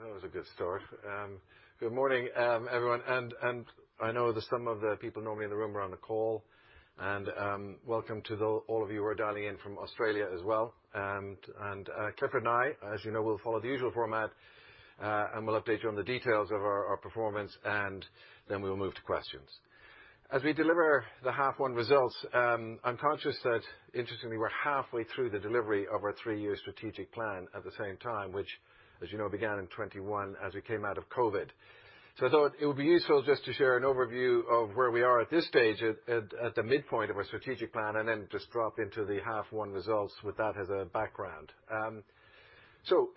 That was a good start. Good morning, everyone. I know that some of the people normally in the room are on the call. Welcome to all of you who are dialing in from Australia as well. Clifford and I, as you know, we'll follow the usual format, and we'll update you on the details of our performance, then we'll move to questions. As we deliver the half one results, I'm conscious that interestingly, we're halfway through the delivery of our three year strategic plan at the same time, which, as you know, began in 2021 as we came out of COVID. I thought it would be useful just to share an overview of where we are at this stage at the midpoint of our strategic plan, and then just drop into the half 1 results with that as a background.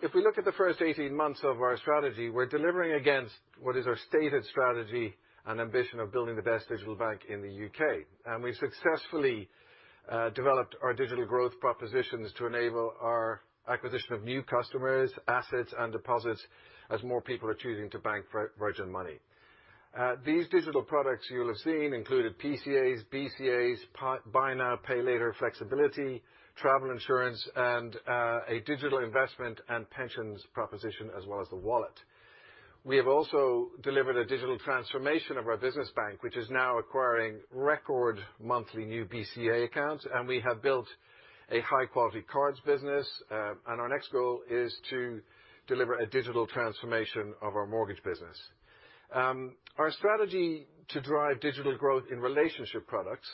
If we look at the first 18 months of our strategy, we're delivering against what is our stated strategy and ambition of building the best digital bank in the U.K. We successfully developed our digital growth propositions to enable our acquisition of new customers, assets, and deposits as more people are choosing to bank for Virgin Money. These digital products you'll have seen included PCAs, BCAs, buy now, pay later flexibility, travel insurance, and a digital investment and pensions proposition, as well as the wallet. We have also delivered a digital transformation of our business bank, which is now acquiring record monthly new BCA accounts, and we have built a high-quality cards business. Our next goal is to deliver a digital transformation of our mortgage business. Our strategy to drive digital growth in relationship products,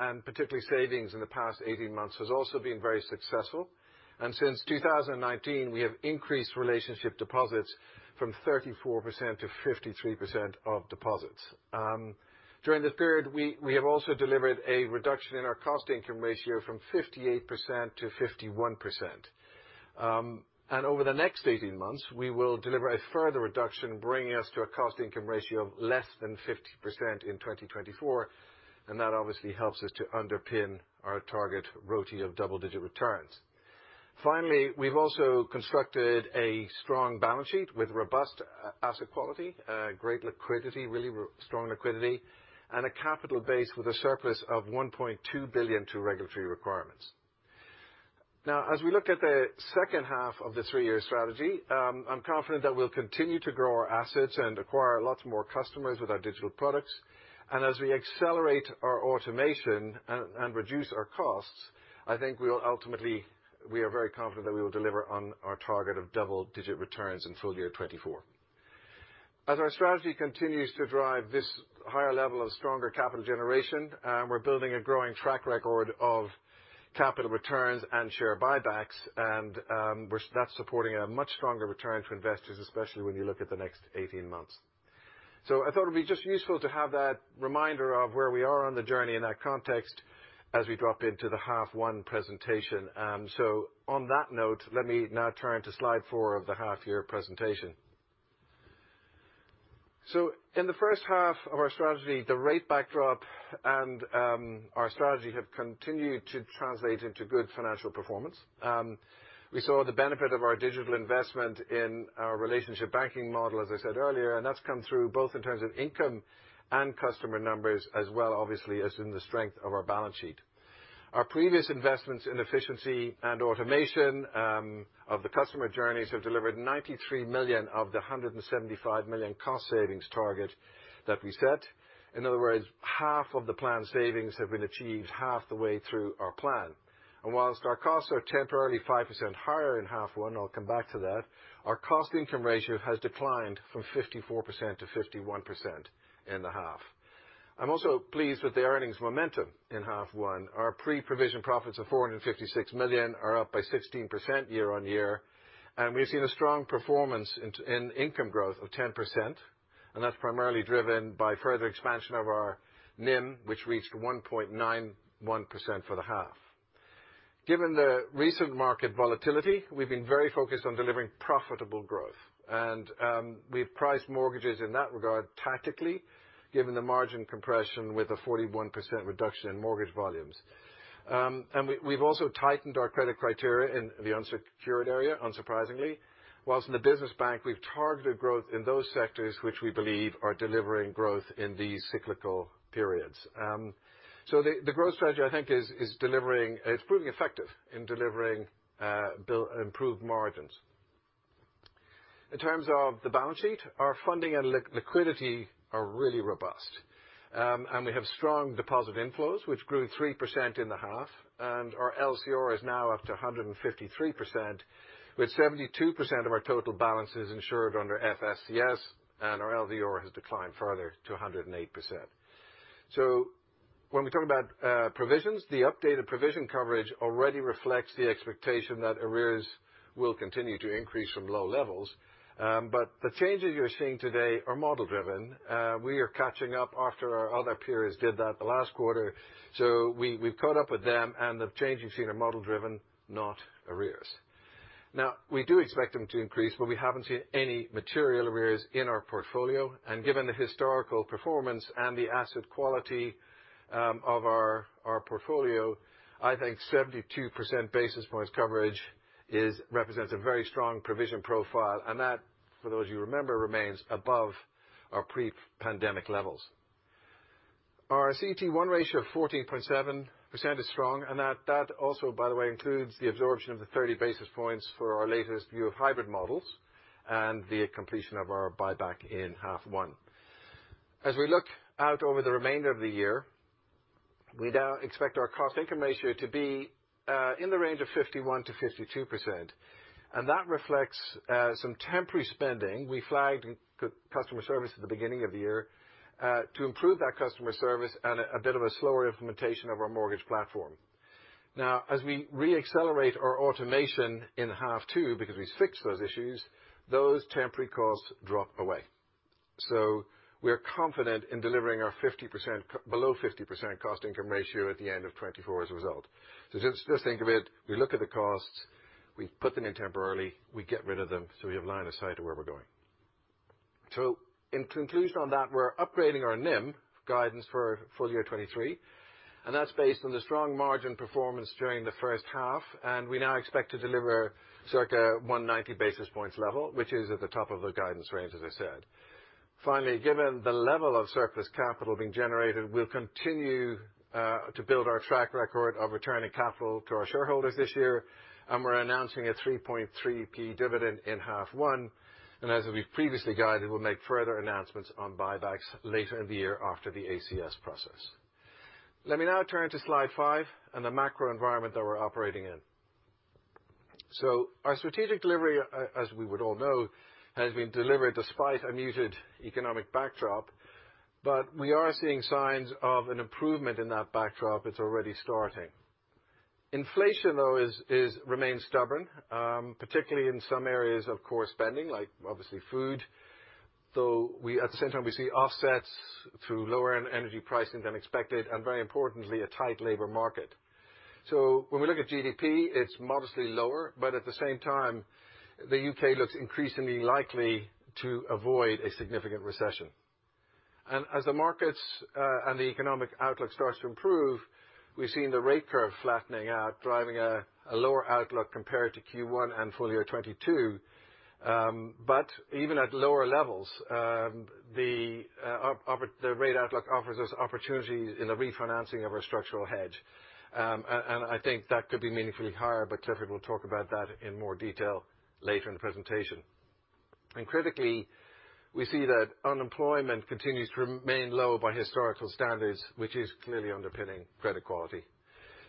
and particularly savings in the past 18 months, has also been very successful. Since 2019, we have increased relationship deposits from 34% to 53% of deposits. During the period, we have also delivered a reduction in our cost-income ratio from 58% to 51%. Over the next 18 months, we will deliver a further reduction, bringing us to a cost-income ratio of less than 50% in 2024, and that obviously helps us to underpin our target ROTI of double-digit returns. Finally, we've also constructed a strong balance sheet with robust asset quality, great liquidity, really strong liquidity, and a capital base with a surplus of 1.2 billion to regulatory requirements. As we look at the second half of the three-year strategy, I'm confident that we'll continue to grow our assets and acquire lots more customers with our digital products. As we accelerate our automation and reduce our costs, I think we are very confident that we will deliver on our target of double-digit returns in full year 2024. Our strategy continues to drive this higher level of stronger capital generation, we're building a growing track record of capital returns and share buybacks and that's supporting a much stronger return to investors, especially when you look at the next 18 months. I thought it'd be just useful to have that reminder of where we are on the journey in that context as we drop into the half 1 presentation. On that note, let me now turn to slide 4 of the half year presentation. In the first half of our strategy, the rate backdrop and our strategy have continued to translate into good financial performance. We saw the benefit of our digital investment in our relationship banking model, as I said earlier, and that's come through both in terms of income and customer numbers as well, obviously, as in the strength of our balance sheet. Our previous investments in efficiency and automation of the customer journeys have delivered 93 million of the 175 million cost savings target that we set. In other words, half of the planned savings have been achieved half the way through our plan. Whilst our costs are temporarily 5% higher in half one, I'll come back to that, our cost-income ratio has declined from 54% to 51% in the half. I'm also pleased with the earnings momentum in half one. Our pre-provision profits of 456 million are up by 16% year-on-year, and we've seen a strong performance in income growth of 10%. That's primarily driven by further expansion of our NIM, which reached 1.91% for the half. Given the recent market volatility, we've been very focused on delivering profitable growth. We've priced mortgages in that regard tactically, given the margin compression with a 41% reduction in mortgage volumes. We've also tightened our credit criteria in the unsecured area, unsurprisingly. Whilst in the business bank, we've targeted growth in those sectors which we believe are delivering growth in these cyclical periods. The growth strategy, I think, is delivering... It's proving effective in delivering improved margins. In terms of the balance sheet, our funding and liquidity are really robust. We have strong deposit inflows, which grew 3% in the half, and our LCR is now up to 153%, with 72% of our total balances insured under FSCS, and our LDR has declined further to 108%. When we talk about provisions, the updated provision coverage already reflects the expectation that arrears will continue to increase from low levels. The changes you're seeing today are model-driven. We are catching up after our other peers did that the last quarter. We've caught up with them, and the changes you've seen are model-driven, not arrears. Now, we do expect them to increase, but we haven't seen any material arrears in our portfolio. Given the historical performance and the asset quality of our portfolio, I think 72 basis points coverage represents a very strong provision profile. That, for those you remember, remains above our pre-pandemic levels. Our CET1 ratio of 14.7% is strong, and that also, by the way, includes the absorption of the 30 basis points for our latest view of hybrid models and the completion of our buyback in half one. As we look out over the remainder of the year, we now expect our cost-income ratio to be in the range of 51%-52%. That reflects some temporary spending. We flagged customer service at the beginning of the year to improve that customer service and a bit of a slower implementation of our mortgage platform. As we re-accelerate our automation in H2, because we've fixed those issues, those temporary costs drop away. We are confident in delivering our below 50% cost-income ratio at the end of 2024 as a result. Just think of it, we look at the costs, we put them in temporarily, we get rid of them, so we have line of sight to where we're going. In conclusion on that, we're upgrading our NIM guidance for full year 2023, and that's based on the strong margin performance during the first half, and we now expect to deliver circa 190 basis points level, which is at the top of the guidance range, as I said. Finally, given the level of surplus capital being generated, we'll continue to build our track record of returning capital to our shareholders this year, and we're announcing a 3.3p dividend in half one. As we've previously guided, we'll make further announcements on buybacks later in the year after the ACS process. Let me now turn to slide 5 and the macro environment that we're operating in. Our strategic delivery, as we would all know, has been delivered despite a muted economic backdrop, but we are seeing signs of an improvement in that backdrop. It's already starting. Inflation, though, is, remains stubborn, particularly in some areas of core spending, like obviously food. At the same time we see offsets through lower energy pricing than expected, and very importantly, a tight labor market. When we look at GDP, it's modestly lower, but at the same time, the U.K. looks increasingly likely to avoid a significant recession. As the markets and the economic outlook starts to improve, we've seen the rate curve flattening out, driving a lower outlook compared to Q1 and full year 22. Even at lower levels, the rate outlook offers us opportunities in the refinancing of our structural hedge. And I think that could be meaningfully higher, but Clifford will talk about that in more detail later in the presentation. Critically, we see that unemployment continues to remain low by historical standards, which is clearly underpinning credit quality.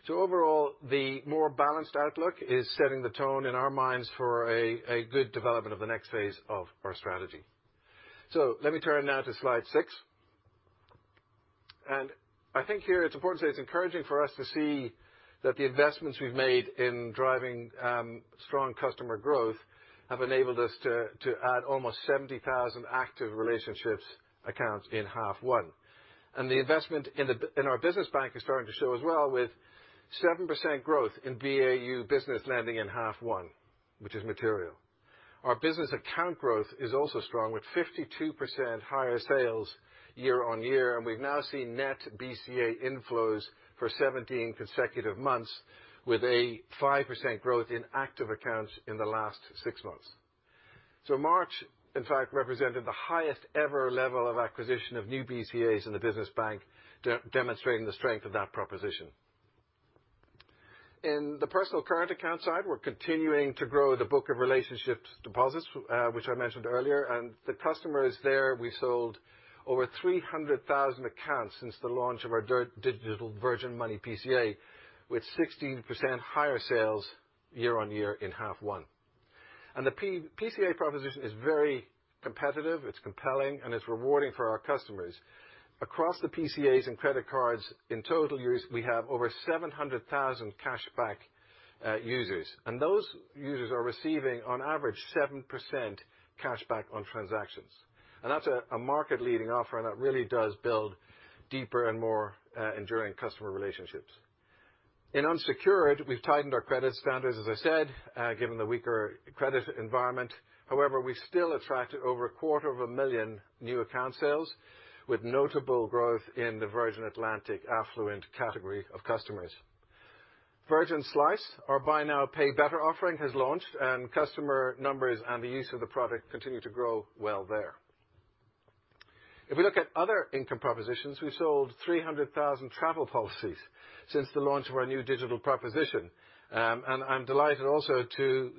Overall, the more balanced outlook is setting the tone in our minds for a good development of the next phase of our strategy. Let me turn now to slide 6. I think here it's important to say it's encouraging for us to see that the investments we've made in driving strong customer growth have enabled us to add almost 70,000 active relationships accounts in half 1. The investment in our business bank is starting to show as well with 7% growth in BAU business lending in half 1, which is material. Our business account growth is also strong with 52% higher sales year-on-year, and we've now seen net BCA inflows for 17 consecutive months with a 5% growth in active accounts in the last six months. March, in fact, represented the highest ever level of acquisition of new BCAs in the business bank, demonstrating the strength of that proposition. In the personal current account side, we're continuing to grow the book of relationships deposits, which I mentioned earlier. The customers there, we sold over 300,000 accounts since the launch of our digital Virgin Money PCA, with 16% higher sales year-on-year in half one. The PCA proposition is very competitive, it's compelling, and it's rewarding for our customers. Across the PCAs and credit cards, in total years, we have over 700,000 cash back users. Those users are receiving on average 7% cash back on transactions. That's a market-leading offer and it really does build deeper and more enduring customer relationships. In unsecured, we've tightened our credit standards, as I said, given the weaker credit environment. However, we still attracted over a quarter of a million new account sales, with notable growth in the Virgin Atlantic affluent category of customers. Virgin Slyce, our buy now, pay better offering, has launched, and customer numbers and the use of the product continue to grow well there. If we look at other income propositions, we sold 300,000 travel policies since the launch of our new digital proposition. I'm delighted also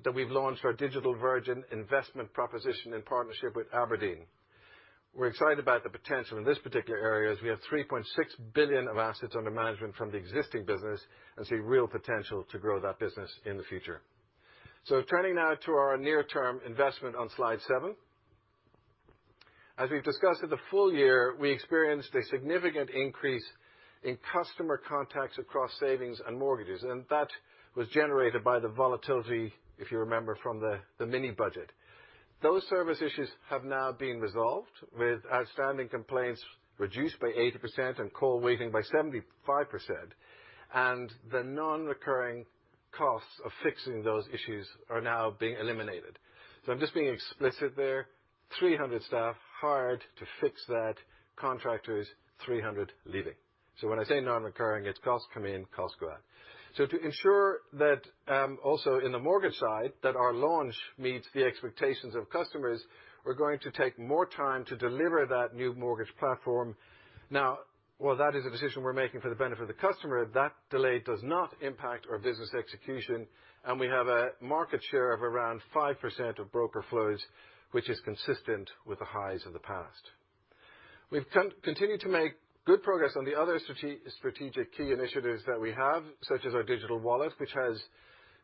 that we've launched our digital Virgin Investment proposition in partnership with abrdn. We're excited about the potential in this particular area, as we have 3.6 billion of assets under management from the existing business and see real potential to grow that business in the future. Turning now to our near term investment on slide 7. As we've discussed at the full year, we experienced a significant increase in customer contacts across savings and mortgages, that was generated by the volatility, if you remember, from the mini budget. Those service issues have now been resolved, with outstanding complaints reduced by 80% and call waiting by 75%. The non-recurring costs of fixing those issues are now being eliminated. I'm just being explicit there, 300 staff hired to fix that, contractors, 300 leaving. So when I say non-recurring, it's costs come in, costs go out. To ensure that also in the mortgage side that our launch meets the expectations of customers, we're going to take more time to deliver that new mortgage platform. While that is a decision we're making for the benefit of the customer, that delay does not impact our business execution, and we have a market share of around 5% of broker flows, which is consistent with the highs of the past. We've continued to make good progress on the other strategic key initiatives that we have, such as our digital wallet, which has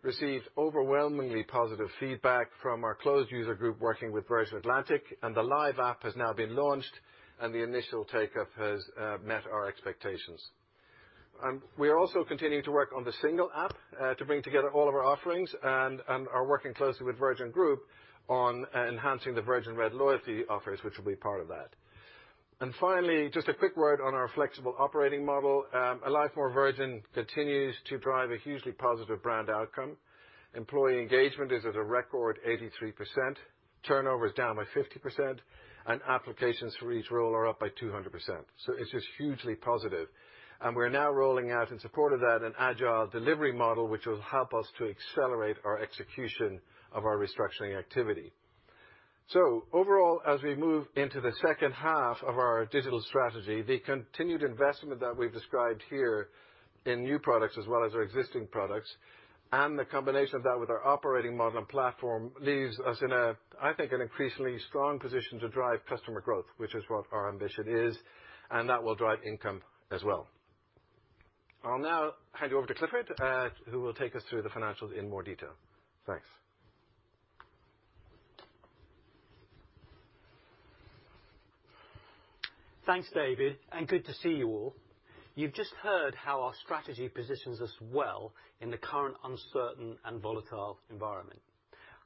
received overwhelmingly positive feedback from its closed user group working with Virgin Atlantic, and the live app has now been launched, and the initial take-up has met our expectations. We are also continuing to work on the single app to bring together all of our offerings and are working closely with Virgin Group on enhancing the Virgin Red loyalty offers, which will be part of that. Finally, just a quick word on our flexible operating model. A Life More Virgin continues to drive a hugely positive brand outcome. Employee engagement is at a record 83%. Turnover is down by 50%, and applications for each role are up by 200%. It's just hugely positive. We're now rolling out, in support of that, an agile delivery model which will help us to accelerate our execution of our restructuring activity. Overall, as we move into the second half of our digital strategy, the continued investment that we've described here in new products as well as our existing products, and the combination of that with our operating model and platform leaves us in a, I think, an increasingly strong position to drive customer growth, which is what our ambition is, and that will drive income as well. I'll now hand you over to Clifford, who will take us through the financials in more detail. Thanks. Thanks, David, good to see you all. You've just heard how our strategy positions us well in the current uncertain and volatile environment.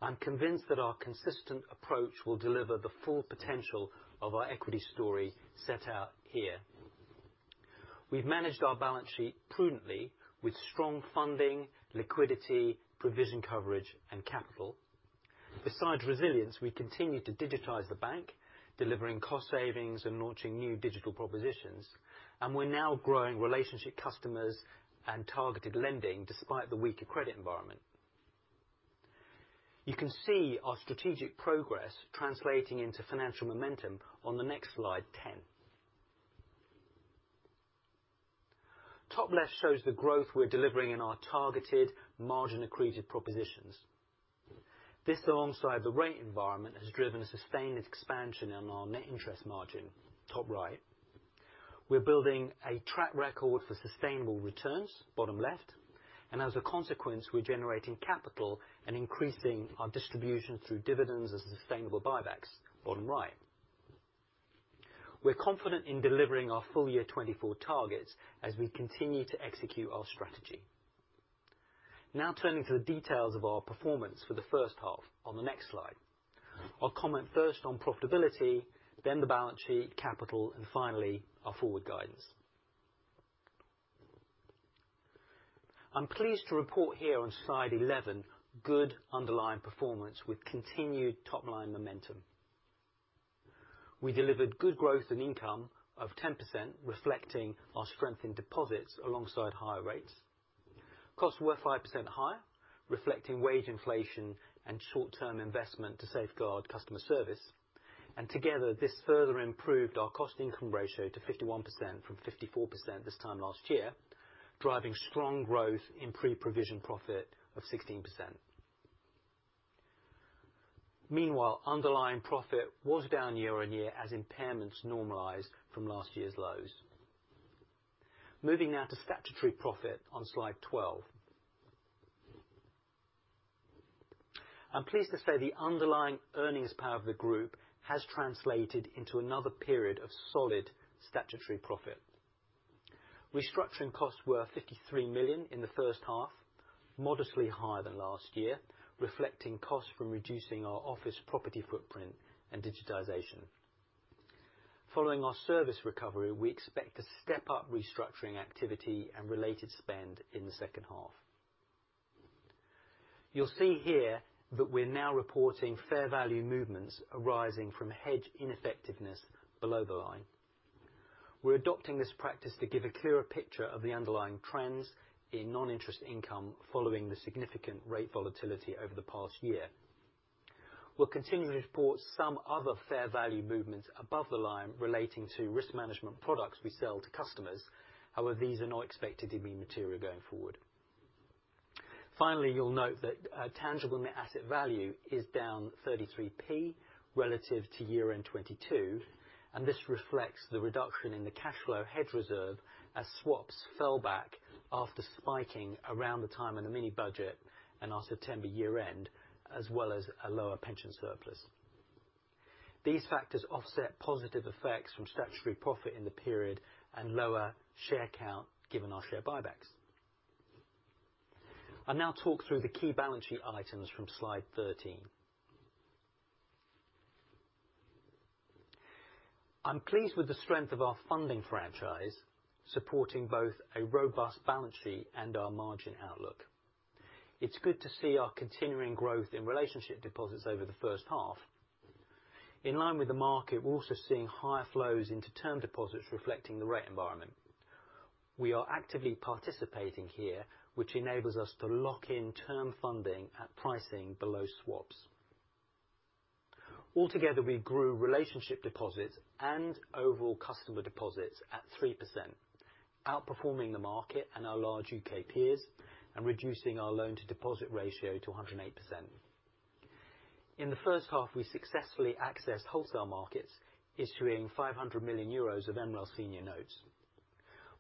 I'm convinced that our consistent approach will deliver the full potential of our equity story set out here. We've managed our balance sheet prudently with strong funding, liquidity, provision coverage, and capital. Besides resilience, we continue to digitize the bank, delivering cost savings and launching new digital propositions, and we're now growing relationship customers and targeted lending despite the weaker credit environment. You can see our strategic progress translating into financial momentum on the next slide, 10. Top left shows the growth we're delivering in our targeted margin accreted propositions. This, alongside the rate environment, has driven a sustained expansion in our net interest margin, top right. We're building a track record for sustainable returns, bottom left. As a consequence, we're generating capital and increasing our distribution through dividends and sustainable buybacks, bottom right. We're confident in delivering our full year 2024 targets as we continue to execute our strategy. Turning to the details of our performance for the first half on the next slide. I'll comment first on profitability, then the balance sheet, capital, and finally our forward guidance. I'm pleased to report here on slide 11 good underlying performance with continued top-line momentum. We delivered good growth and income of 10%, reflecting our strength in deposits alongside higher rates. Costs were 5% higher, reflecting wage inflation and short-term investment to safeguard customer service. Together, this further improved our cost-income ratio to 51% from 54% this time last year, driving strong growth in pre-provision profit of 16%. Meanwhile, underlying profit was down year on year as impairments normalized from last year's lows. Moving now to statutory profit on slide 12. I'm pleased to say the underlying earnings power of the group has translated into another period of solid statutory profit. Restructuring costs were 53 million in the first half, modestly higher than last year, reflecting costs from reducing our office property footprint and digitization. Following our service recovery, we expect to step up restructuring activity and related spend in the second half. You'll see here that we're now reporting fair value movements arising from hedge ineffectiveness below the line. We're adopting this practice to give a clearer picture of the underlying trends in non-interest income following the significant rate volatility over the past year. We'll continue to report some other fair value movements above the line relating to risk management products we sell to customers. However, these are not expected to be material going forward. Finally, you'll note that tangible net asset value is down 33p relative to year-end 2022, and this reflects the reduction in the cash flow hedge reserve as swaps fell back after spiking around the time of the Mini Budget and our September year-end, as well as a lower pension surplus. These factors offset positive effects from statutory profit in the period and lower share count, given our share buybacks. I'll now talk through the key balance sheet items from slide 13. I'm pleased with the strength of our funding franchise, supporting both a robust balance sheet and our margin outlook. It's good to see our continuing growth in relationship deposits over the first half. In line with the market, we're also seeing higher flows into term deposits reflecting the rate environment. We are actively participating here, which enables us to lock in term funding at pricing below swaps. Altogether, we grew relationship deposits and overall customer deposits at 3%, outperforming the market and our large U.K. peers and reducing our loan to deposit ratio to 108%. In the first half, we successfully accessed wholesale markets issuing 500 million euros of MREL senior notes.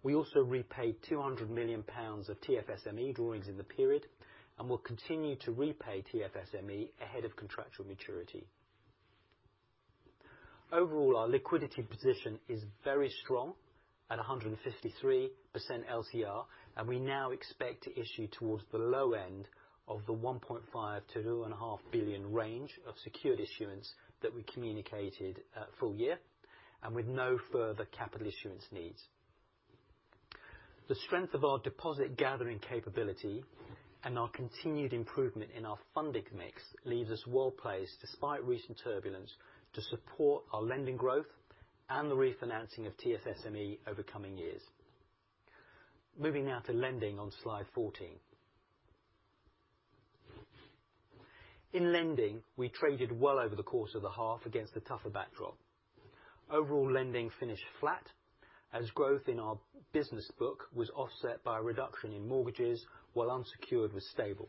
We also repaid 200 million pounds of TFSME drawings in the period, and will continue to repay TFSME ahead of contractual maturity. Overall, our liquidity position is very strong at 153% LCR. We now expect to issue towards the low end of the 1.5 billion-2.5 billion range of secured issuance that we communicated at full year, with no further capital issuance needs. The strength of our deposit gathering capability and our continued improvement in our funding mix leaves us well-placed despite recent turbulence to support our lending growth and the refinancing of TFSME over coming years. Moving now to lending on slide 14. In lending, we traded well over the course of the half against a tougher backdrop. Overall lending finished flat as growth in our business book was offset by a reduction in mortgages while unsecured was stable.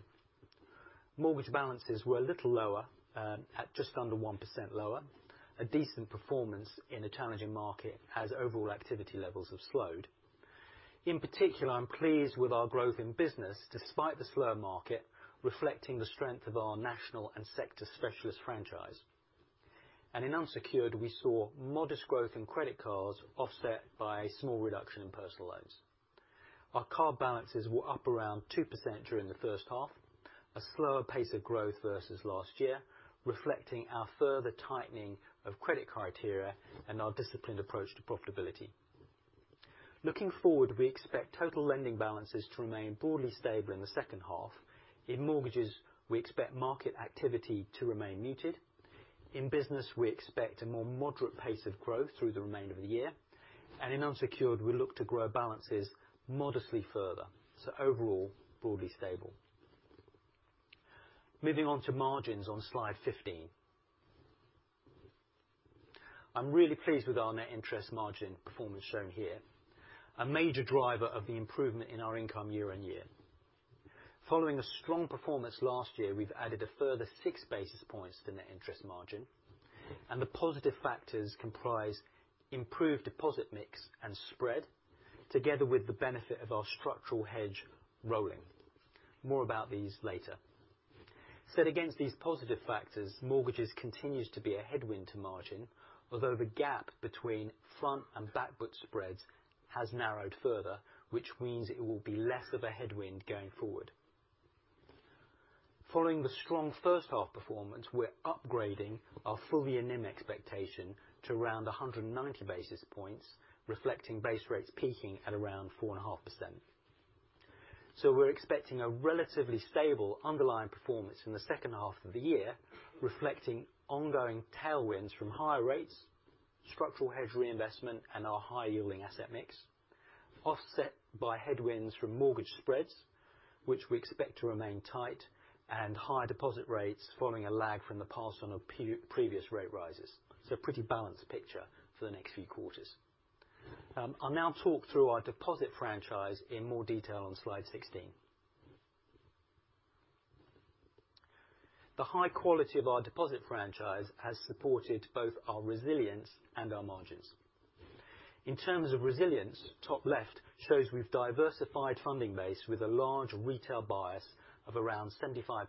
Mortgage balances were a little lower, at just under 1% lower, a decent performance in a challenging market as overall activity levels have slowed. In particular, I'm pleased with our growth in business despite the slower market reflecting the strength of our national and sector specialist franchise. In unsecured, we saw modest growth in credit cards offset by a small reduction in personal loans. Our card balances were up around 2% during the first half, a slower pace of growth versus last year, reflecting our further tightening of credit criteria and our disciplined approach to profitability. Looking forward, we expect total lending balances to remain broadly stable in the second half. In mortgages, we expect market activity to remain muted. In business, we expect a more moderate pace of growth through the remainder of the year. In unsecured, we look to grow balances modestly further. Overall, broadly stable. Moving on to margins on slide 15. I'm really pleased with our net interest margin performance shown here, a major driver of the improvement in our income year on year. Following a strong performance last year, we've added a further 6 basis points to net interest margin, and the positive factors comprise improved deposit mix and spread together with the benefit of our structural hedge rolling. More about these later. Set against these positive factors, mortgages continues to be a headwind to margin, although the gap between front and back book spreads has narrowed further, which means it will be less of a headwind going forward. Following the strong first half performance, we're upgrading our full year NIM expectation to around 190 basis points, reflecting base rates peaking at around 4.5%. We're expecting a relatively stable underlying performance in the second half of the year, reflecting ongoing tailwinds from higher rates, structural hedge reinvestment, and our high yielding asset mix, offset by headwinds from mortgage spreads, which we expect to remain tight and higher deposit rates following a lag from the past on of pre-previous rate rises. It's a pretty balanced picture for the next few quarters. I'll now talk through our deposit franchise in more detail on slide 16. The high quality of our deposit franchise has supported both our resilience and our margins. In terms of resilience, top left shows we've diversified funding base with a large retail bias of around 75%,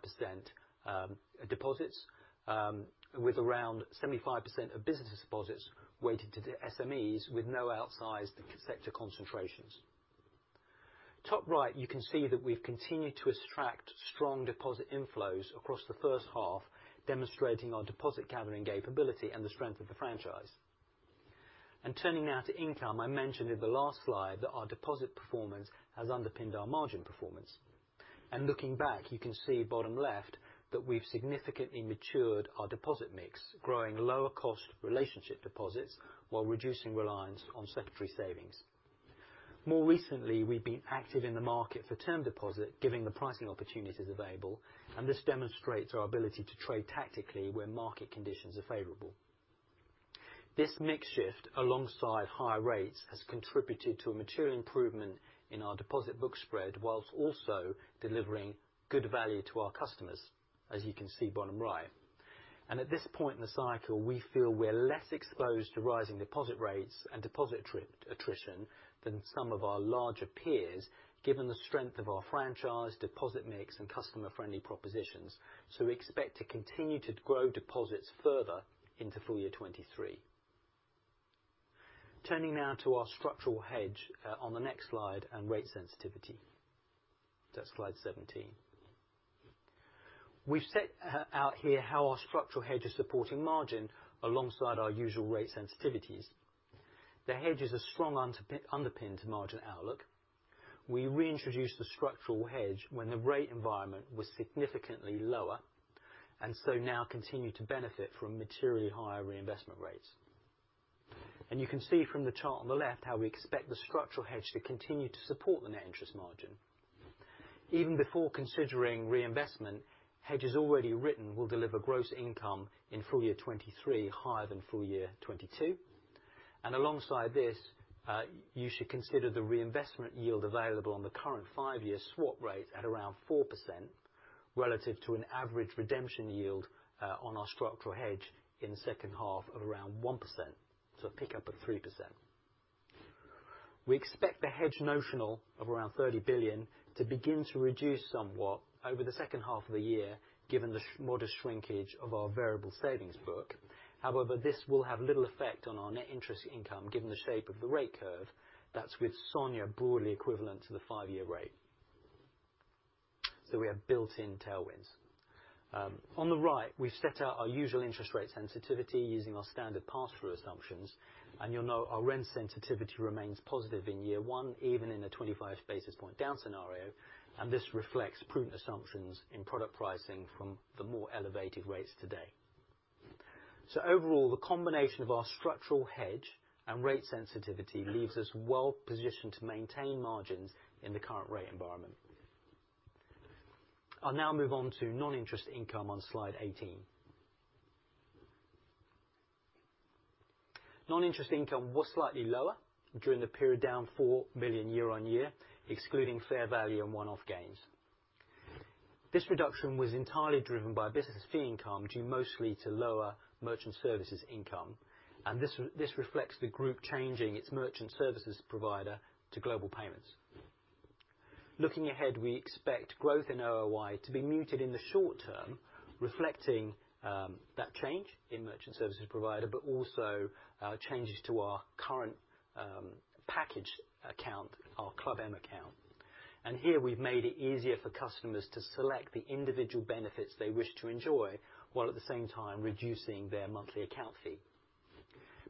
deposits, with around 75% of business deposits weighted to the SMEs with no outsized sector concentrations. Top right, you can see that we've continued to extract strong deposit inflows across the first half, demonstrating our deposit gathering capability and the strength of the franchise. Turning now to income, I mentioned in the last slide that our deposit performance has underpinned our margin performance. Looking back, you can see bottom left, that we've significantly matured our deposit mix, growing lower cost relationship deposits while reducing reliance on notice savings. More recently, we've been active in the market for term deposit, giving the pricing opportunities available, and this demonstrates our ability to trade tactically where market conditions are favorable. This mix shift alongside higher rates has contributed to a material improvement in our deposit book spread, whilst also delivering good value to our customers, as you can see bottom right. At this point in the cycle, we feel we're less exposed to rising deposit rates and deposit attrition than some of our larger peers, given the strength of our franchise, deposit mix, and customer friendly propositions. We expect to continue to grow deposits further into full year 2023. Turning now to our structural hedge on the next slide and rate sensitivity. That's slide 17. We've set out here how our structural hedge is supporting margin alongside our usual rate sensitivities. The hedge is a strong underpin to margin outlook. We reintroduced the structural hedge when the rate environment was significantly lower, and so now continue to benefit from materially higher reinvestment rates. You can see from the chart on the left how we expect the structural hedge to continue to support the net interest margin. Even before considering reinvestment, hedges already written will deliver gross income in full year 2023 higher than full year 2022. Alongside this, you should consider the reinvestment yield available on the current 5-year swap rate at around 4% relative to an average redemption yield on our structural hedge in the second half of around 1%, so pick up at 3%. We expect the hedge notional of around 30 billion to begin to reduce somewhat over the second half of the year, given the modest shrinkage of our variable savings book. However, this will have little effect on our net interest income, given the shape of the rate curve. That's with SONIA broadly equivalent to the five year rate. We have built in tailwinds. On the right, we've set out our usual interest rate sensitivity using our standard pass-through assumptions, you'll know our rate sensitivity remains positive in year one, even in a 25 basis point down scenario, this reflects prudent assumptions in product pricing from the more elevated rates today. Overall, the combination of our structural hedge and rate sensitivity leaves us well positioned to maintain margins in the current rate environment. I'll now move on to non-interest income on slide 18. Non-interest income was slightly lower during the period, down 4 million year-on-year, excluding fair value and one-off gains. This reduction was entirely driven by business fee income due mostly to lower merchant services income, this reflects the group changing its merchant services provider to Global Payments. Looking ahead, we expect growth in OOI to be muted in the short term, reflecting that change in merchant services provider, but also changes to our current package account, our Club M account. Here we've made it easier for customers to select the individual benefits they wish to enjoy while at the same time reducing their monthly account fee.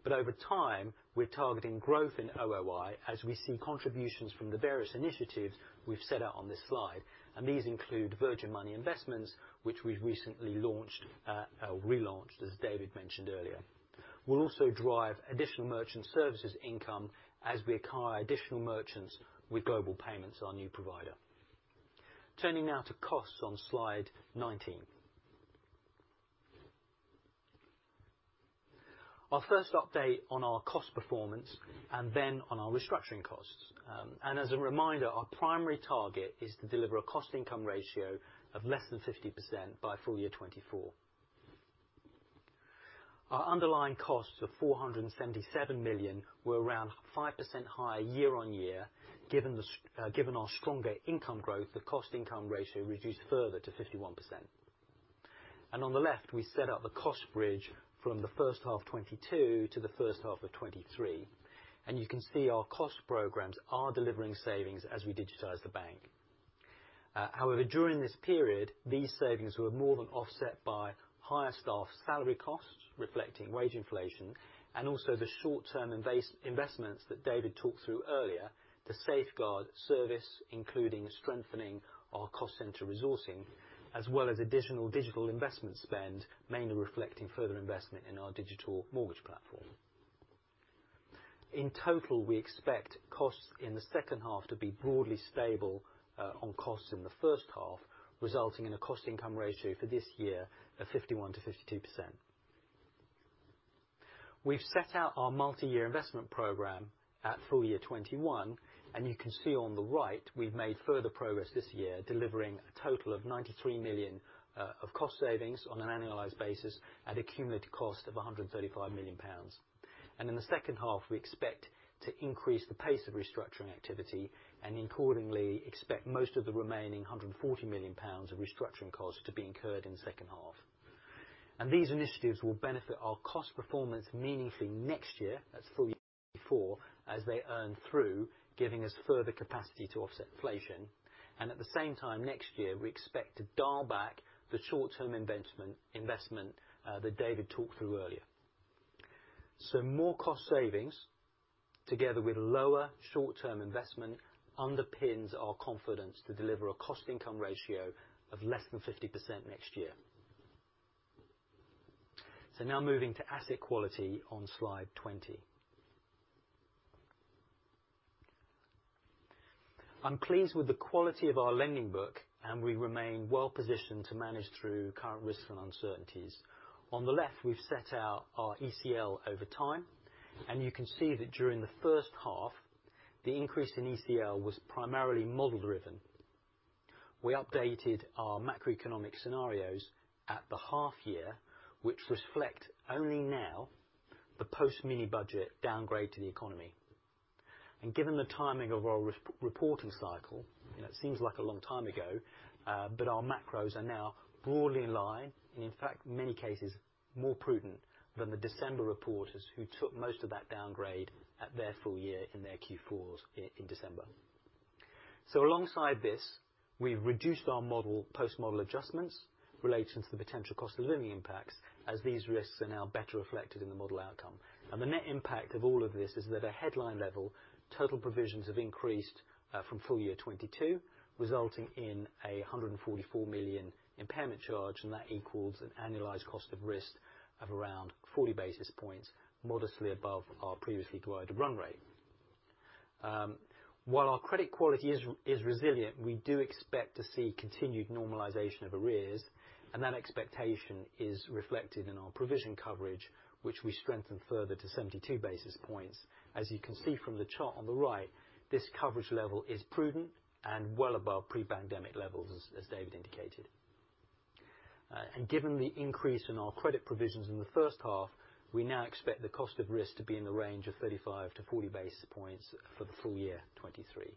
Over time, we're targeting growth in OOI as we see contributions from the various initiatives we've set out on this slide, and these include Virgin Money Investments, which we've recently launched or relaunched, as David mentioned earlier. We'll also drive additional merchant services income as we acquire additional merchants with Global Payments, our new provider. Turning now to costs on slide 19. Our first update on our cost performance and then on our restructuring costs. As a reminder, our primary target is to deliver a cost-income ratio of less than 50% by full year 2024. Our underlying costs of 477 million were around 5% higher year-on-year. Given our stronger income growth, the cost-income ratio reduced further to 51%. On the left, we set up the cost bridge from the first half of 2022 to the first half of 2023, and you can see our cost programs are delivering savings as we digitize the bank. However, during this period, these savings were more than offset by higher staff salary costs reflecting wage inflation and also the short-term investments that David talked through earlier to safeguard service, including strengthening our cost center resourcing, as well as additional digital investment spend, mainly reflecting further investment in our digital mortgage platform. In total, we expect costs in the second half to be broadly stable on costs in the first half, resulting in a cost-income ratio for this year of 51%-52%. We've set out our multi-year investment program at full year 2021, and you can see on the right we've made further progress this year, delivering a total of 93 million of cost savings on an annualized basis at a cumulative cost of 135 million pounds. In the second half, we expect to increase the pace of restructuring activity and accordingly expect most of the remaining 140 million pounds of restructuring costs to be incurred in the second half. These initiatives will benefit our cost performance meaningfully next year, that's full year 2024, as they earn through giving us further capacity to offset inflation. At the same time next year, we expect to dial back the short-term investment that David talked through earlier. More cost savings together with lower short-term investment underpins our confidence to deliver a cost-income ratio of less than 50% next year. Now moving to asset quality on slide 20. I'm pleased with the quality of our lending book. We remain well positioned to manage through current risks and uncertainties. On the left, we've set out our ECL over time. You can see that during the first half, the increase in ECL was primarily model driven. We updated our macroeconomic scenarios at the half year, which reflect only now the post mini budget downgrade to the economy. Given the timing of our reporting cycle, you know, it seems like a long time ago, but our macros are now broadly in line, and in fact many cases more prudent than the December reporters who took most of that downgrade at their full year in their Q4s in December. Alongside this, we've reduced our model post-model adjustments relating to the potential cost of living impacts as these risks are now better reflected in the model outcome. The net impact of all of this is that at headline level, total provisions have increased from full year 2022, resulting in a 144 million impairment charge, and that equals an annualized cost of risk of around 40 basis points modestly above our previously guided run rate. While our credit quality is resilient, we do expect to see continued normalization of arrears. That expectation is reflected in our provision coverage, which we strengthen further to 72 basis points. As you can see from the chart on the right, this coverage level is prudent and well above pre-pandemic levels as David indicated. Given the increase in our credit provisions in the first half, we now expect the cost of risk to be in the range of 35-40 basis points for the full year 2023.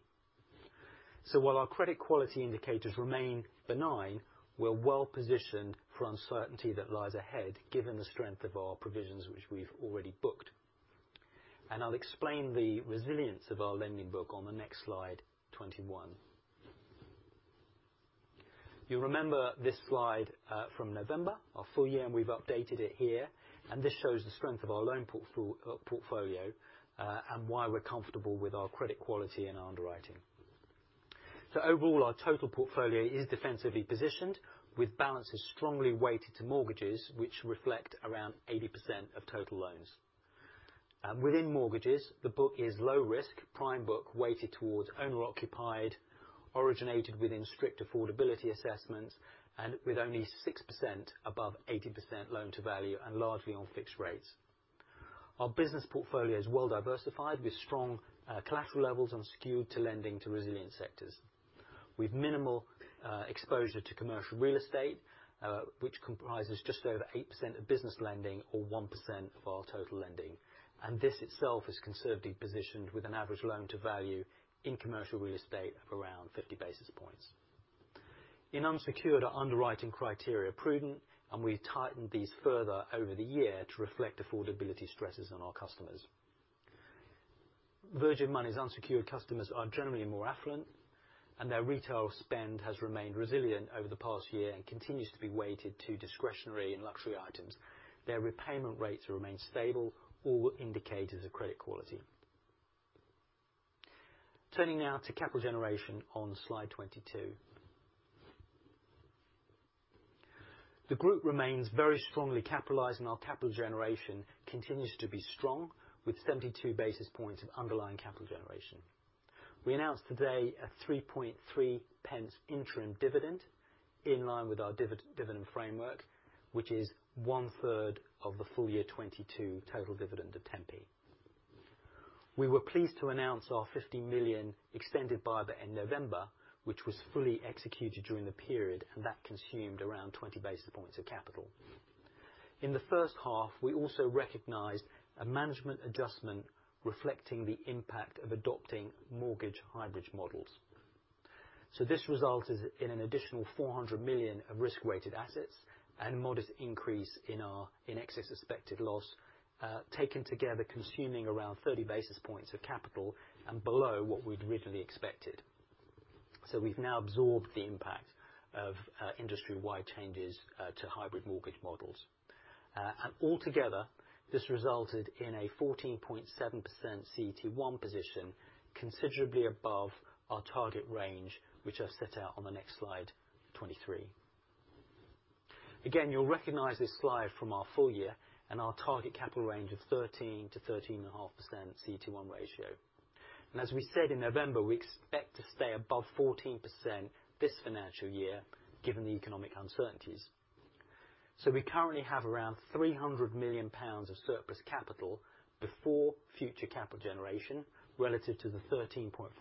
While our credit quality indicators remain benign, we're well positioned for uncertainty that lies ahead given the strength of our provisions which we've already booked. I'll explain the resilience of our lending book on the next slide, 21. You remember this slide from November, our full year. We've updated it here. This shows the strength of our loan portfolio, and why we're comfortable with our credit quality and our underwriting. Overall, our total portfolio is defensively positioned with balances strongly weighted to mortgages which reflect around 80% of total loans. Within mortgages, the book is low risk, prime book weighted towards owner occupied, originated within strict affordability assessments, and with only 6% above 80% loan to value and largely on fixed rates. Our business portfolio is well diversified with strong collateral levels and skewed to lending to resilient sectors. With minimal exposure to commercial real estate, which comprises just over 8% of business lending or 1% of our total lending. This itself is conservatively positioned with an average loan to value in commercial real estate of around 50 basis points. In unsecured underwriting criteria are prudent, and we've tightened these further over the year to reflect affordability stresses on our customers. Virgin Money's unsecured customers are generally more affluent, and their retail spend has remained resilient over the past year and continues to be weighted to discretionary and luxury items. Their repayment rates remain stable, all indicators of credit quality. Turning now to capital generation on slide 22. The group remains very strongly capitalized, and our capital generation continues to be strong with 72 basis points of underlying capital generation. We announced today a 3.3 pence interim dividend in line with our dividend framework, which is one-third of the full year 2022 total dividend of 10p. We were pleased to announce our 50 million extended buyback in November, which was fully executed during the period, and that consumed around 20 basis points of capital. In the first half, we also recognized a management adjustment reflecting the impact of adopting mortgage hybrid models. This resulted in an additional 400 million of risk-weighted assets and modest increase in our excess expected loss, taken together, consuming around 30 basis points of capital and below what we'd originally expected. We've now absorbed the impact of industry-wide changes to hybrid mortgage models. Altogether, this resulted in a 14.7% CET1 position considerably above our target range, which I've set out on the next slide, 23. Again, you'll recognize this slide from our full year and our target capital range of 13%-13.5% CET1 ratio. As we said in November, we expect to stay above 14% this financial year given the economic uncertainties. We currently have around 300 million pounds of surplus capital before future capital generation, relative to the 13.5%,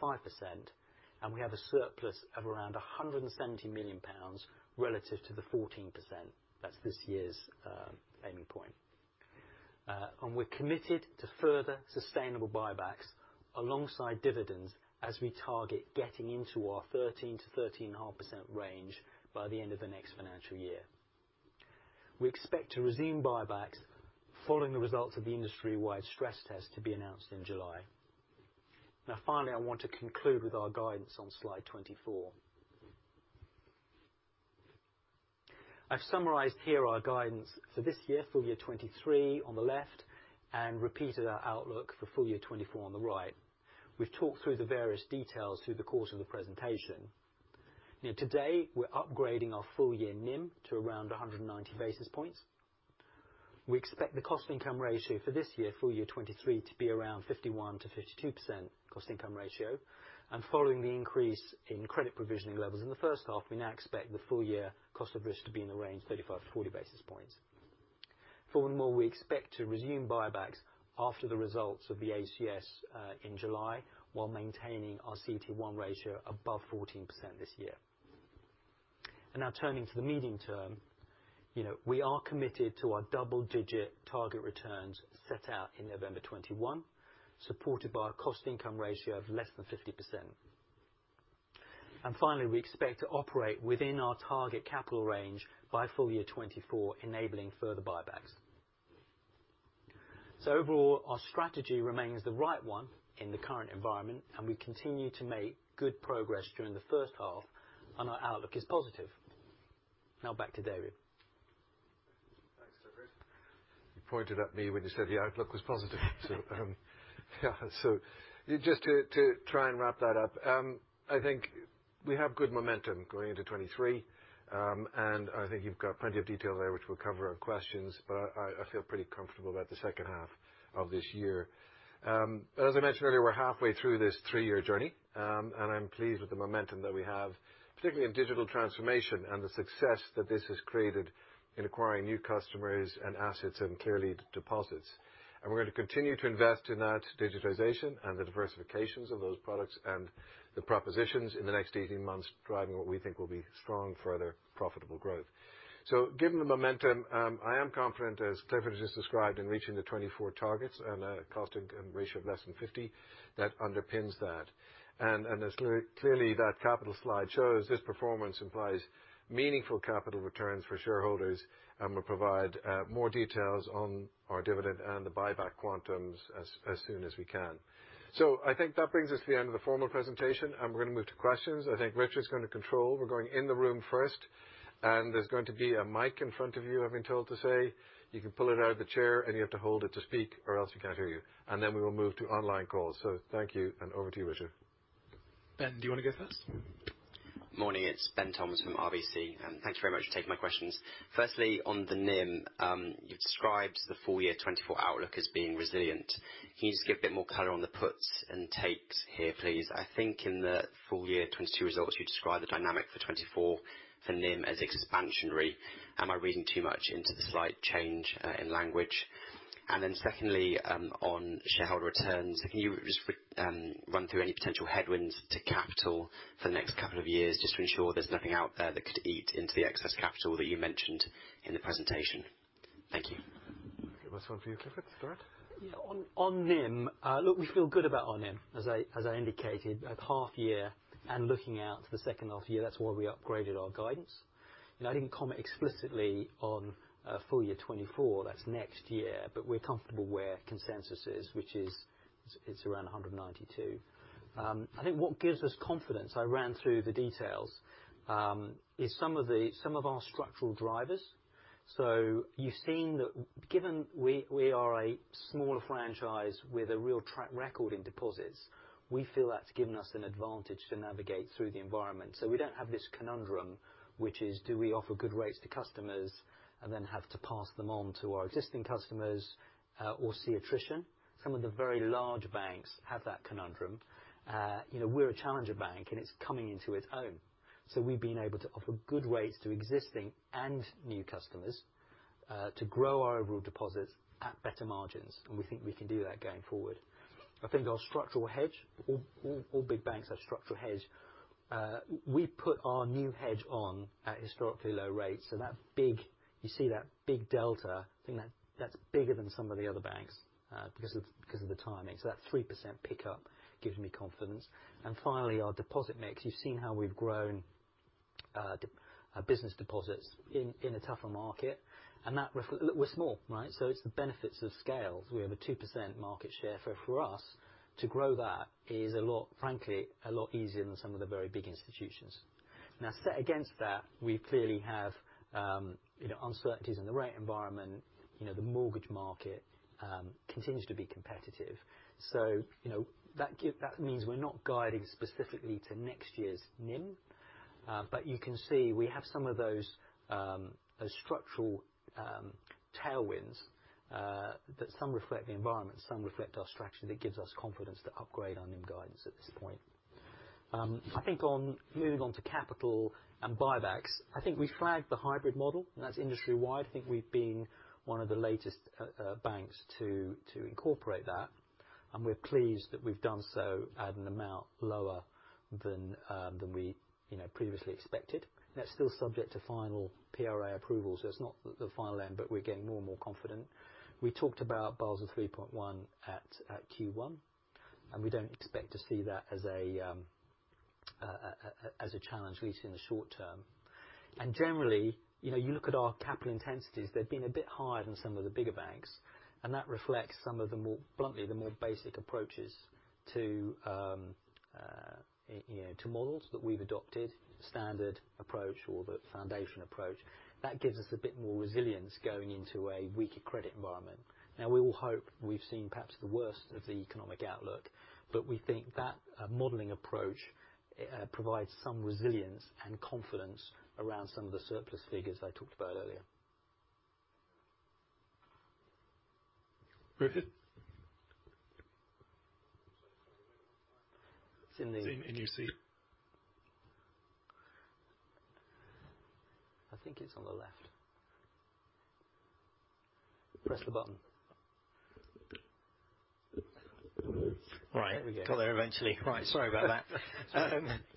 and we have a surplus of around 170 million pounds relative to the 14%. That's this year's aiming point. We're committed to further sustainable buybacks alongside dividends as we target getting into our 13%-13.5% range by the end of the next financial year. We expect to resume buybacks following the results of the industry-wide stress test to be announced in July. Finally, I want to conclude with our guidance on slide 24. I've summarized here our guidance for this year, full year 2023 on the left, and repeated our outlook for full year 2024 on the right. We've talked through the various details through the course of the presentation. You know, today, we're upgrading our full year NIM to around 190 basis points. We expect the cost income ratio for this year, full year 2023, to be around 51%-52% cost income ratio. Following the increase in credit provisioning levels in the first half, we now expect the full year cost of risk to be in the range 35-40 basis points. We expect to resume buybacks after the results of the ACS in July while maintaining our CET1 ratio above 14% this year. Now turning to the medium term, you know, we are committed to our double-digit target returns set out in November 2021, supported by a cost-income ratio of less than 50%. Finally, we expect to operate within our target capital range by full year 2024, enabling further buybacks. Overall, our strategy remains the right one in the current environment, and we continue to make good progress during the first half, and our outlook is positive. Now back to David. Thanks, Clifford. You pointed at me when you said the outlook was positive. Yeah, just to try and wrap that up, I think we have good momentum going into 2023. I think you've got plenty of detail there, which we'll cover on questions, but I feel pretty comfortable about the second half of this year. As I mentioned earlier, we're halfway through this three-year journey. I'm pleased with the momentum that we have, particularly in digital transformation and the success that this has created in acquiring new customers and assets and clearly deposits. We're going to continue to invest in that digitization and the diversifications of those products and the propositions in the next 18 months, driving what we think will be strong further profitable growth. Given the momentum, I am confident, as Clifford just described, in reaching the 2024 targets and a cost-income ratio of less than 50 that underpins that. As clearly that capital slide shows, this performance implies meaningful capital returns for shareholders, and we'll provide more details on our dividend and the buyback quantums as soon as we can. I think that brings us to the end of the formal presentation, and we're going to move to questions. I think Richard's going to control. We're going in the room first, and there's going to be a mic in front of you, I've been told to say. You can pull it out of the chair, and you have to hold it to speak or else we can't hear you. We will move to online calls. Thank you and over to you, Richard. Ben, do you wanna go first? Morning, it's Benjamin Toms from RBC, and thanks very much for taking my questions. Firstly, on the NIM, you've described the full year 2024 outlook as being resilient. Can you just give a bit more color on the puts and takes here, please? I think in the full year 2022 results you described the dynamic for 2024 for NIM as expansionary. Am I reading too much into the slight change in language? Secondly, on shareholder returns, can you just run through any potential headwinds to capital for the next couple of years just to ensure there's nothing out there that could eat into the excess capital that you mentioned in the presentation? Thank you. Okay. We'll start with you, Clifford. Go ahead. On NIM, look, we feel good about our NIM. As I indicated at half year and looking out to the second half year, that's why we upgraded our guidance. You know, I didn't comment explicitly on full year 2024. That's next year. We're comfortable where consensus is, which is it's around 192. I think what gives us confidence, I ran through the details, is some of our structural drivers. You've seen that given we are a smaller franchise with a real track record in deposits, we feel that's given us an advantage to navigate through the environment. We don't have this conundrum, which is do we offer good rates to customers and then have to pass them on to our existing customers or see attrition. Some of the very large banks have that conundrum. you know, we're a challenger bank, and it's coming into its own. We've been able to offer good rates to existing and new customers, to grow our overall deposits at better margins, and we think we can do that going forward. I think our structural hedge, all big banks have structural hedge. We put our new hedge on at historically low rates, so that you see that big delta, I think that's bigger than some of the other banks, because of the timing. That 3% pickup gives me confidence. Finally, our deposit mix. You've seen how we've grown business deposits in a tougher market, We're small, right? It's the benefits of scales. We have a 2% market share. For us to grow that is a lot, frankly, a lot easier than some of the very big institutions. Set against that, we clearly have, you know, uncertainties in the rate environment. The mortgage market continues to be competitive. You know, that means we're not guiding specifically to next year's NIM, but you can see we have some of those structural, tailwinds, that some reflect the environment, some reflect our structure that gives us confidence to upgrade our NIM guidance at this point. I think on moving on to capital and buybacks, I think I flagged the hybrid model, and that's industry wide. I think we've been one of the latest banks to incorporate that. We're pleased that we've done so at an amount lower than we, you know, previously expected. That's still subject to final PRA approval, so it's not the final end, but we're getting more and more confident. We talked about Basel 3.1 at Q1. We don't expect to see that as a challenge, at least in the short term. Generally, you know, you look at our capital intensities, they've been a bit higher than some of the bigger banks, and that reflects some of the more, bluntly, the more basic approaches to, you know, to models that we've adopted, Standard Approach or the Foundation Approach. That gives us a bit more resilience going into a weaker credit environment. We all hope we've seen perhaps the worst of the economic outlook, but we think that modeling approach provides some resilience and confidence around some of the surplus figures I talked about earlier. Richard? It's in the- Zoom in your seat. I think it's on the left. Press the button. Right. Got there eventually. Right. Sorry about that.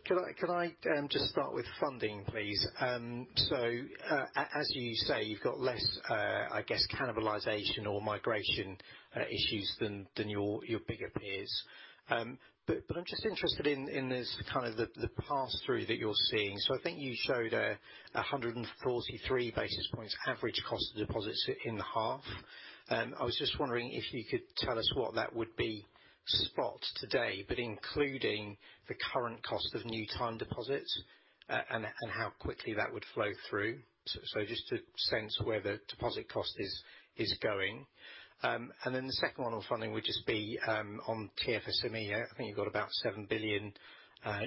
Could I, could I just start with funding please? As you say, you've got less, I guess, cannibalization or migration issues than your bigger peers. I'm just interested in this kind of the pass-through that you're seeing. I think you showed 143 basis points average cost of deposits in the half. I was just wondering if you could tell us what that would be spot today, but including the current cost of new time deposits, and how quickly that would flow through. Just to sense where the deposit cost is going. Then the second one on funding would just be on TFSME. I think you've got about 7 billion.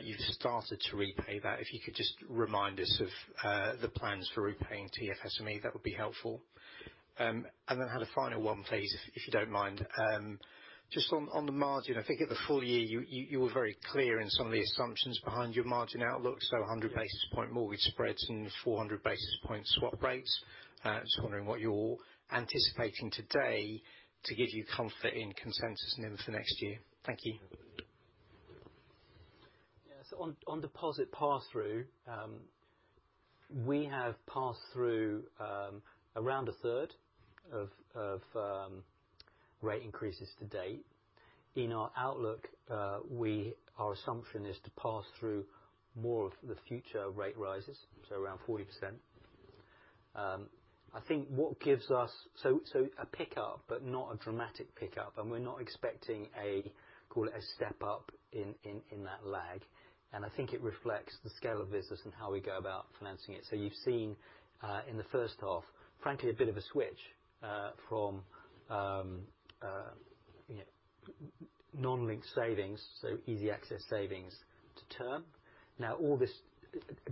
You've started to repay that. If you could just remind us of the plans for repaying TFSME, that would be helpful. I had a final one please, if you don't mind. Just on the margin, I think at the full year, you were very clear in some of the assumptions behind your margin outlook: 100 basis point mortgage spreads and 400 basis point swap rates. Just wondering what you're anticipating today to give you comfort in consensus NIM for next year. Thank you. On deposit pass-through, we have passed through around a third of rate increases to date. In our outlook, our assumption is to pass through more of the future rate rises, so around 40%. I think what gives us a pickup, but not a dramatic pickup, and we're not expecting a, call it a step up in that lag. I think it reflects the scale of business and how we go about financing it. You've seen, in the first half, frankly, a bit of a switch from, you know, non-linked savings, so easy access savings to term. All this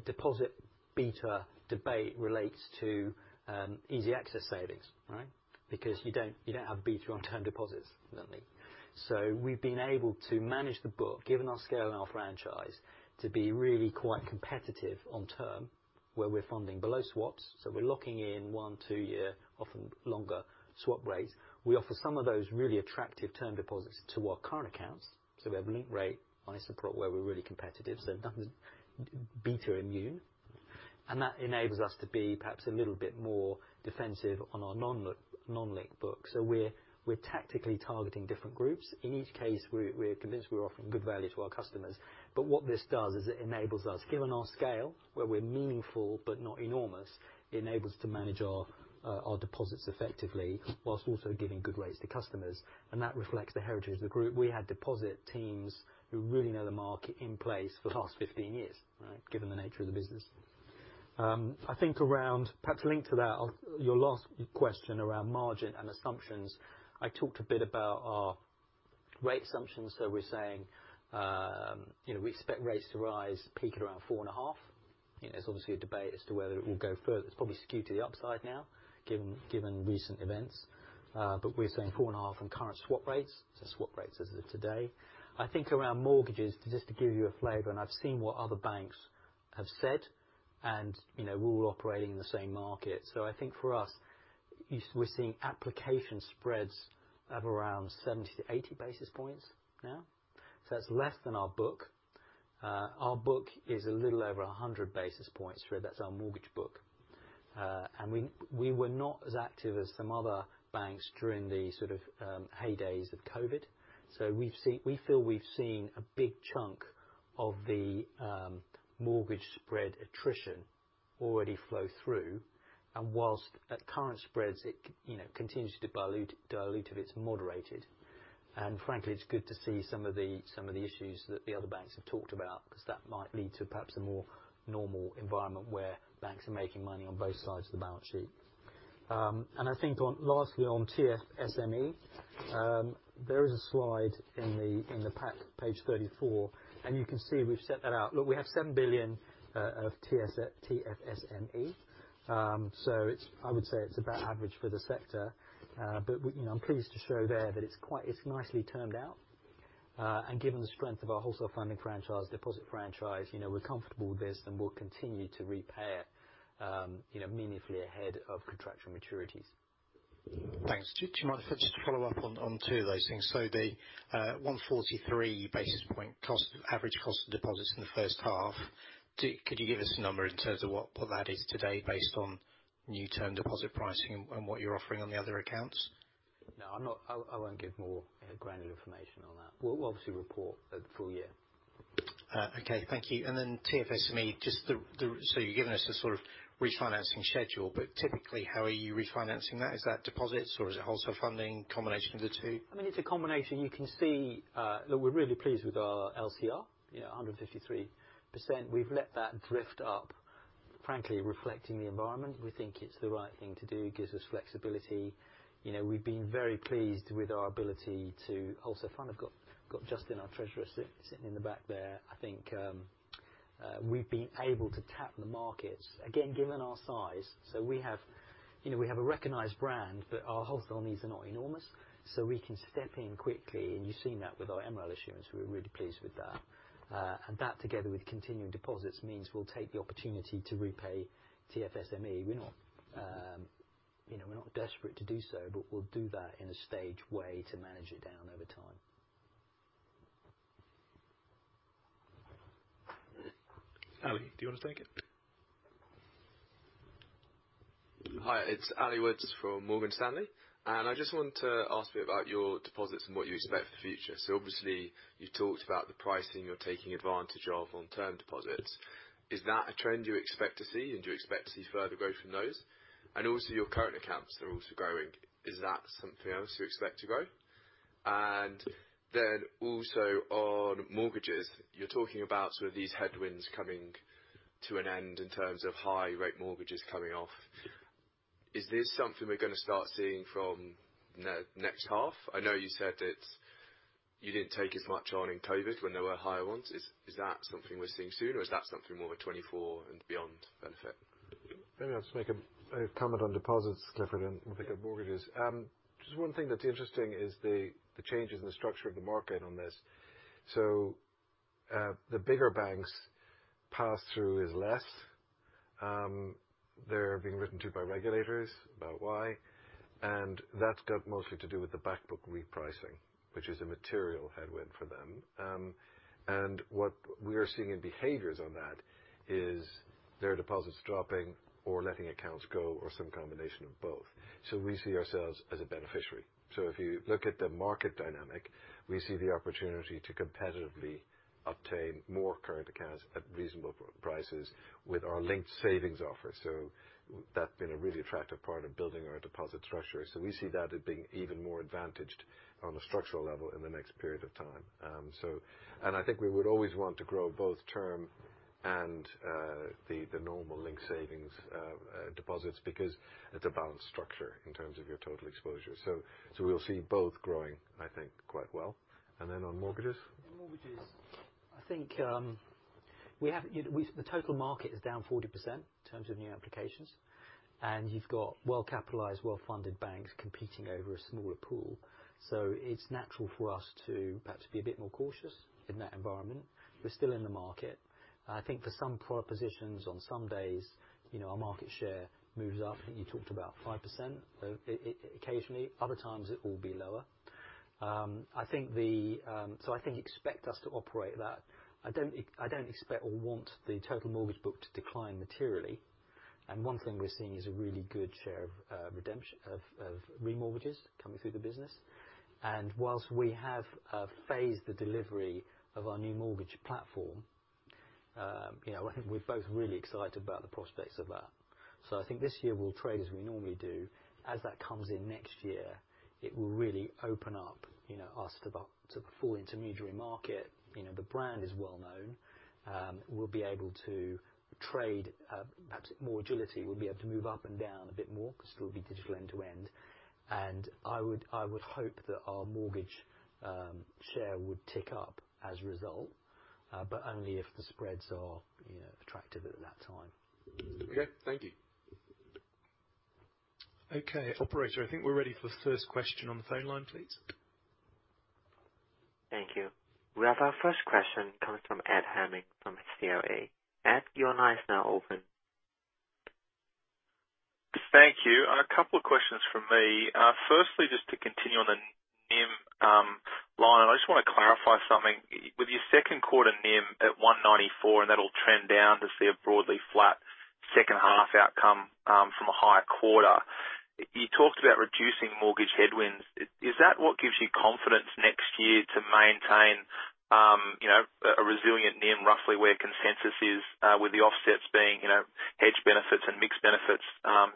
deposit beta debate relates to easy access savings, right? You don't have beta on term deposits, don't we? We've been able to manage the book, given our scale and our franchise, to be really quite competitive on term where we're funding below swaps. We're locking in one, two year, often longer swap rates. We offer some of those really attractive term deposits to our current accounts. We have link rate M Access ISA where we're really competitive, so nothing's beta immune. That enables us to be perhaps a little bit more defensive on our non-linked book. We're tactically targeting different groups. In each case, we're convinced we're offering good value to our customers. What this does is it enables us, given our scale, where we're meaningful but not enormous, it enables to manage our deposits effectively whilst also giving good rates to customers. That reflects the heritage of the group. We had deposit teams who really know the market in place for the last 15 years, right? Given the nature of the business. I think around perhaps linked to that, your last question around margin and assumptions. I talked a bit about our rate assumptions. We're saying, you know, we expect rates to rise, peak at around 4.5%. You know, there's obviously a debate as to whether it will go further. It's probably skewed to the upside now, given recent events. We're saying 4.5% from current swap rates. Swap rates as of today. I think around mortgages, just to give you a flavor, and I've seen what other banks have said, and, you know, we're all operating in the same market. I think for us, you we're seeing application spreads of around 70 to 80 basis points now. That's less than our book. Our book is a little over 100 basis points spread. That's our mortgage book. We, we were not as active as some other banks during the sort of heydays of COVID. We feel we've seen a big chunk of the mortgage spread attrition already flow through. Whilst at current spreads, it you know, continues to dilute if it's moderated. Frankly, it's good to see some of the issues that the other banks have talked about, because that might lead to perhaps a more normal environment where banks are making money on both sides of the balance sheet. I think on, lastly on TFSME, there is a slide in the pack, page 34, and you can see we've set that out. Look, we have 7 billion of TFSME. I would say it's about average for the sector. We, you know, I'm pleased to show there that it's nicely turned out. Given the strength of our wholesale funding franchise, deposit franchise, you know, we're comfortable with this, and we'll continue to repay it, you know, meaningfully ahead of contractual maturities. Thanks. Do you mind if I just follow up on two of those things? The 143 basis point cost, average cost of deposits in the first half. Could you give us a number in terms of what that is today based on new term deposit pricing and what you're offering on the other accounts? No, I'm not. I won't give more granular information on that. We'll obviously report at full year. Okay. Thank you. Then TFSME, just the... You've given us a sort of refinancing schedule, typically how are you refinancing that? Is that deposits or is it wholesale funding, combination of the two? I mean, it's a combination. You can see, look, we're really pleased with our LCR. You know, 153%. We've let that drift up, frankly, reflecting the environment. We think it's the right thing to do. It gives us flexibility. You know, we've been very pleased with our ability to wholesale fund. I've got Justin, our treasurer, sitting in the back there. I think we've been able to tap the markets again, given our size. We have, you know, we have a recognized brand, but our wholesale needs are not enormous, so we can step in quickly. You've seen that with our MREL issuance. We're really pleased with that. That together with continuing deposits means we'll take the opportunity to repay TFSME. We're not, You know, we're not desperate to do so, but we'll do that in a staged way to manage it down over time. Ali, do you wanna take it? Hi, it's [Ali Woods] from Morgan Stanley. I just wanted to ask you about your deposits and what you expect for the future. Obviously you talked about the pricing you're taking advantage of on term deposits. Is that a trend you expect to see, and do you expect to see further growth from those? Also your current accounts are also growing. Is that something else you expect to grow? Also on mortgages, you're talking about sort of these headwinds coming to an end in terms of high rate mortgages coming off. Is this something we're gonna start seeing from next half? I know you said you didn't take as much on in COVID when there were higher ones. Is that something we're seeing soon, or is that something more 2024 and beyond benefit? Maybe I'll just make a comment on deposits, Clifford, and we'll pick up mortgages. Just one thing that's interesting is the changes in the structure of the market on this. The bigger banks pass through is less. They're being written to by regulators about why, and that's got mostly to do with the back book repricing, which is a material headwind for them. What we are seeing in behaviors on that is their deposits dropping or letting accounts go or some combination of both. We see ourselves as a beneficiary. If you look at the market dynamic, we see the opportunity to competitively obtain more current accounts at reasonable prices with our linked savings offer. That's been a really attractive part of building our deposit structure. We see that as being even more advantaged on a structural level in the next period of time. I think we would always want to grow both term and the normal linked savings deposits because it's a balanced structure in terms of your total exposure. We'll see both growing, I think, quite well. On mortgages. On mortgages, I think, you know, the total market is down 40% in terms of new applications, and you've got well capitalized, well funded banks competing over a smaller pool. It's natural for us to perhaps be a bit more cautious in that environment. We're still in the market. I think for some product positions on some days, you know, our market share moves up. I think you talked about 5%. Occasionally, other times it will be lower. I think the, I think expect us to operate that. I don't expect or want the total mortgage book to decline materially. One thing we're seeing is a really good share of redemption of remortgages coming through the business. Whilst we have phased the delivery of our new mortgage platform, you know, I think we're both really excited about the prospects of that. I think this year we'll trade as we normally do. As that comes in next year, it will really open up, you know, us to the, to the full intermediary market. You know, the brand is well known. We'll be able to trade perhaps more agility. We'll be able to move up and down a bit more because it will be digital end to end. I would hope that our mortgage share would tick up as a result, but only if the spreads are, you know, attractive at that time. Okay. Thank you. Okay, operator, I think we're ready for the first question on the phone line, please. Thank you. We have our first question coming from Ed Henning from CLSA. Ed, your line is now open. Thank you. A couple of questions from me. Firstly, just to continue on the NIM line, I just want to clarify something. With your 2Q NIM at 194, that will trend down to see a broadly flat 2H outcome from a higher quarter. You talked about reducing mortgage headwinds. Is that what gives you confidence next year to maintain a resilient NIM roughly where consensus is with the offsets being hedge benefits and mixed benefits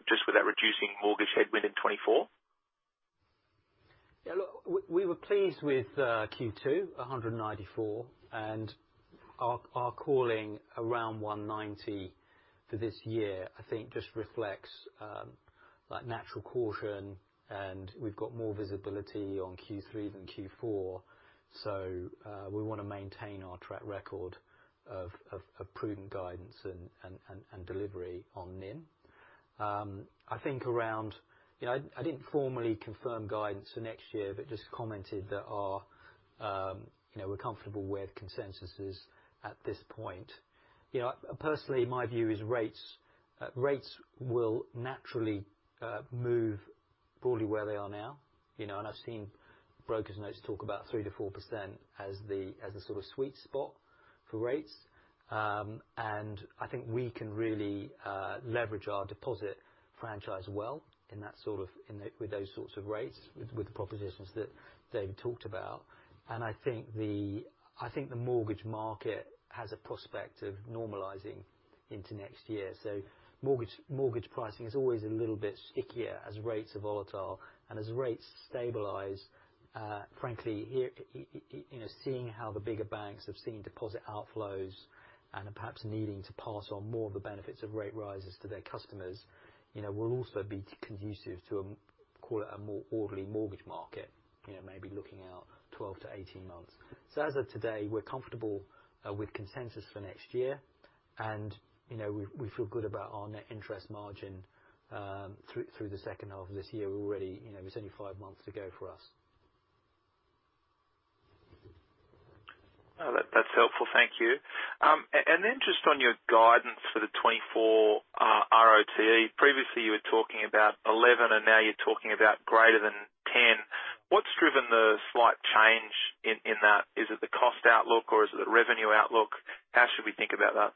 just with that reducing mortgage headwind in 2024? Look, we were pleased with Q2, 194, and our calling around 190 for this year I think just reflects like natural caution, and we've got more visibility on Q3 than Q4. We wanna maintain our track record of prudent guidance and delivery on NIM. You know, I didn't formally confirm guidance for next year, but just commented that our, you know, we're comfortable where the consensus is at this point. You know, personally, my view is rates. Rates will naturally move broadly where they are now, you know, and I've seen brokers notes talk about 3%-4% as the, as the sort of sweet spot for rates. I think we can really leverage our deposit franchise well in that sort of, with those sorts of rates, with the propositions that Dave talked about. I think the mortgage market has a prospect of normalizing into next year. Mortgage pricing is always a little bit stickier as rates are volatile. As rates stabilize, frankly, here, you know, seeing how the bigger banks have seen deposit outflows and are perhaps needing to pass on more of the benefits of rate rises to their customers, you know, will also be conducive to, call it a more orderly mortgage market, you know, maybe looking out 12-18 months. As of today, we're comfortable with consensus for next year and, you know, we feel good about our net interest margin through the second half of this year. We're already... You know, there's only five months to go for us. That, that's helpful. Thank you. Then just on your guidance for the 2024 ROT. Previously, you were talking about 11, and now you're talking about greater than 10. What's driven the slight change in that? Is it the cost outlook or is it the revenue outlook? How should we think about that?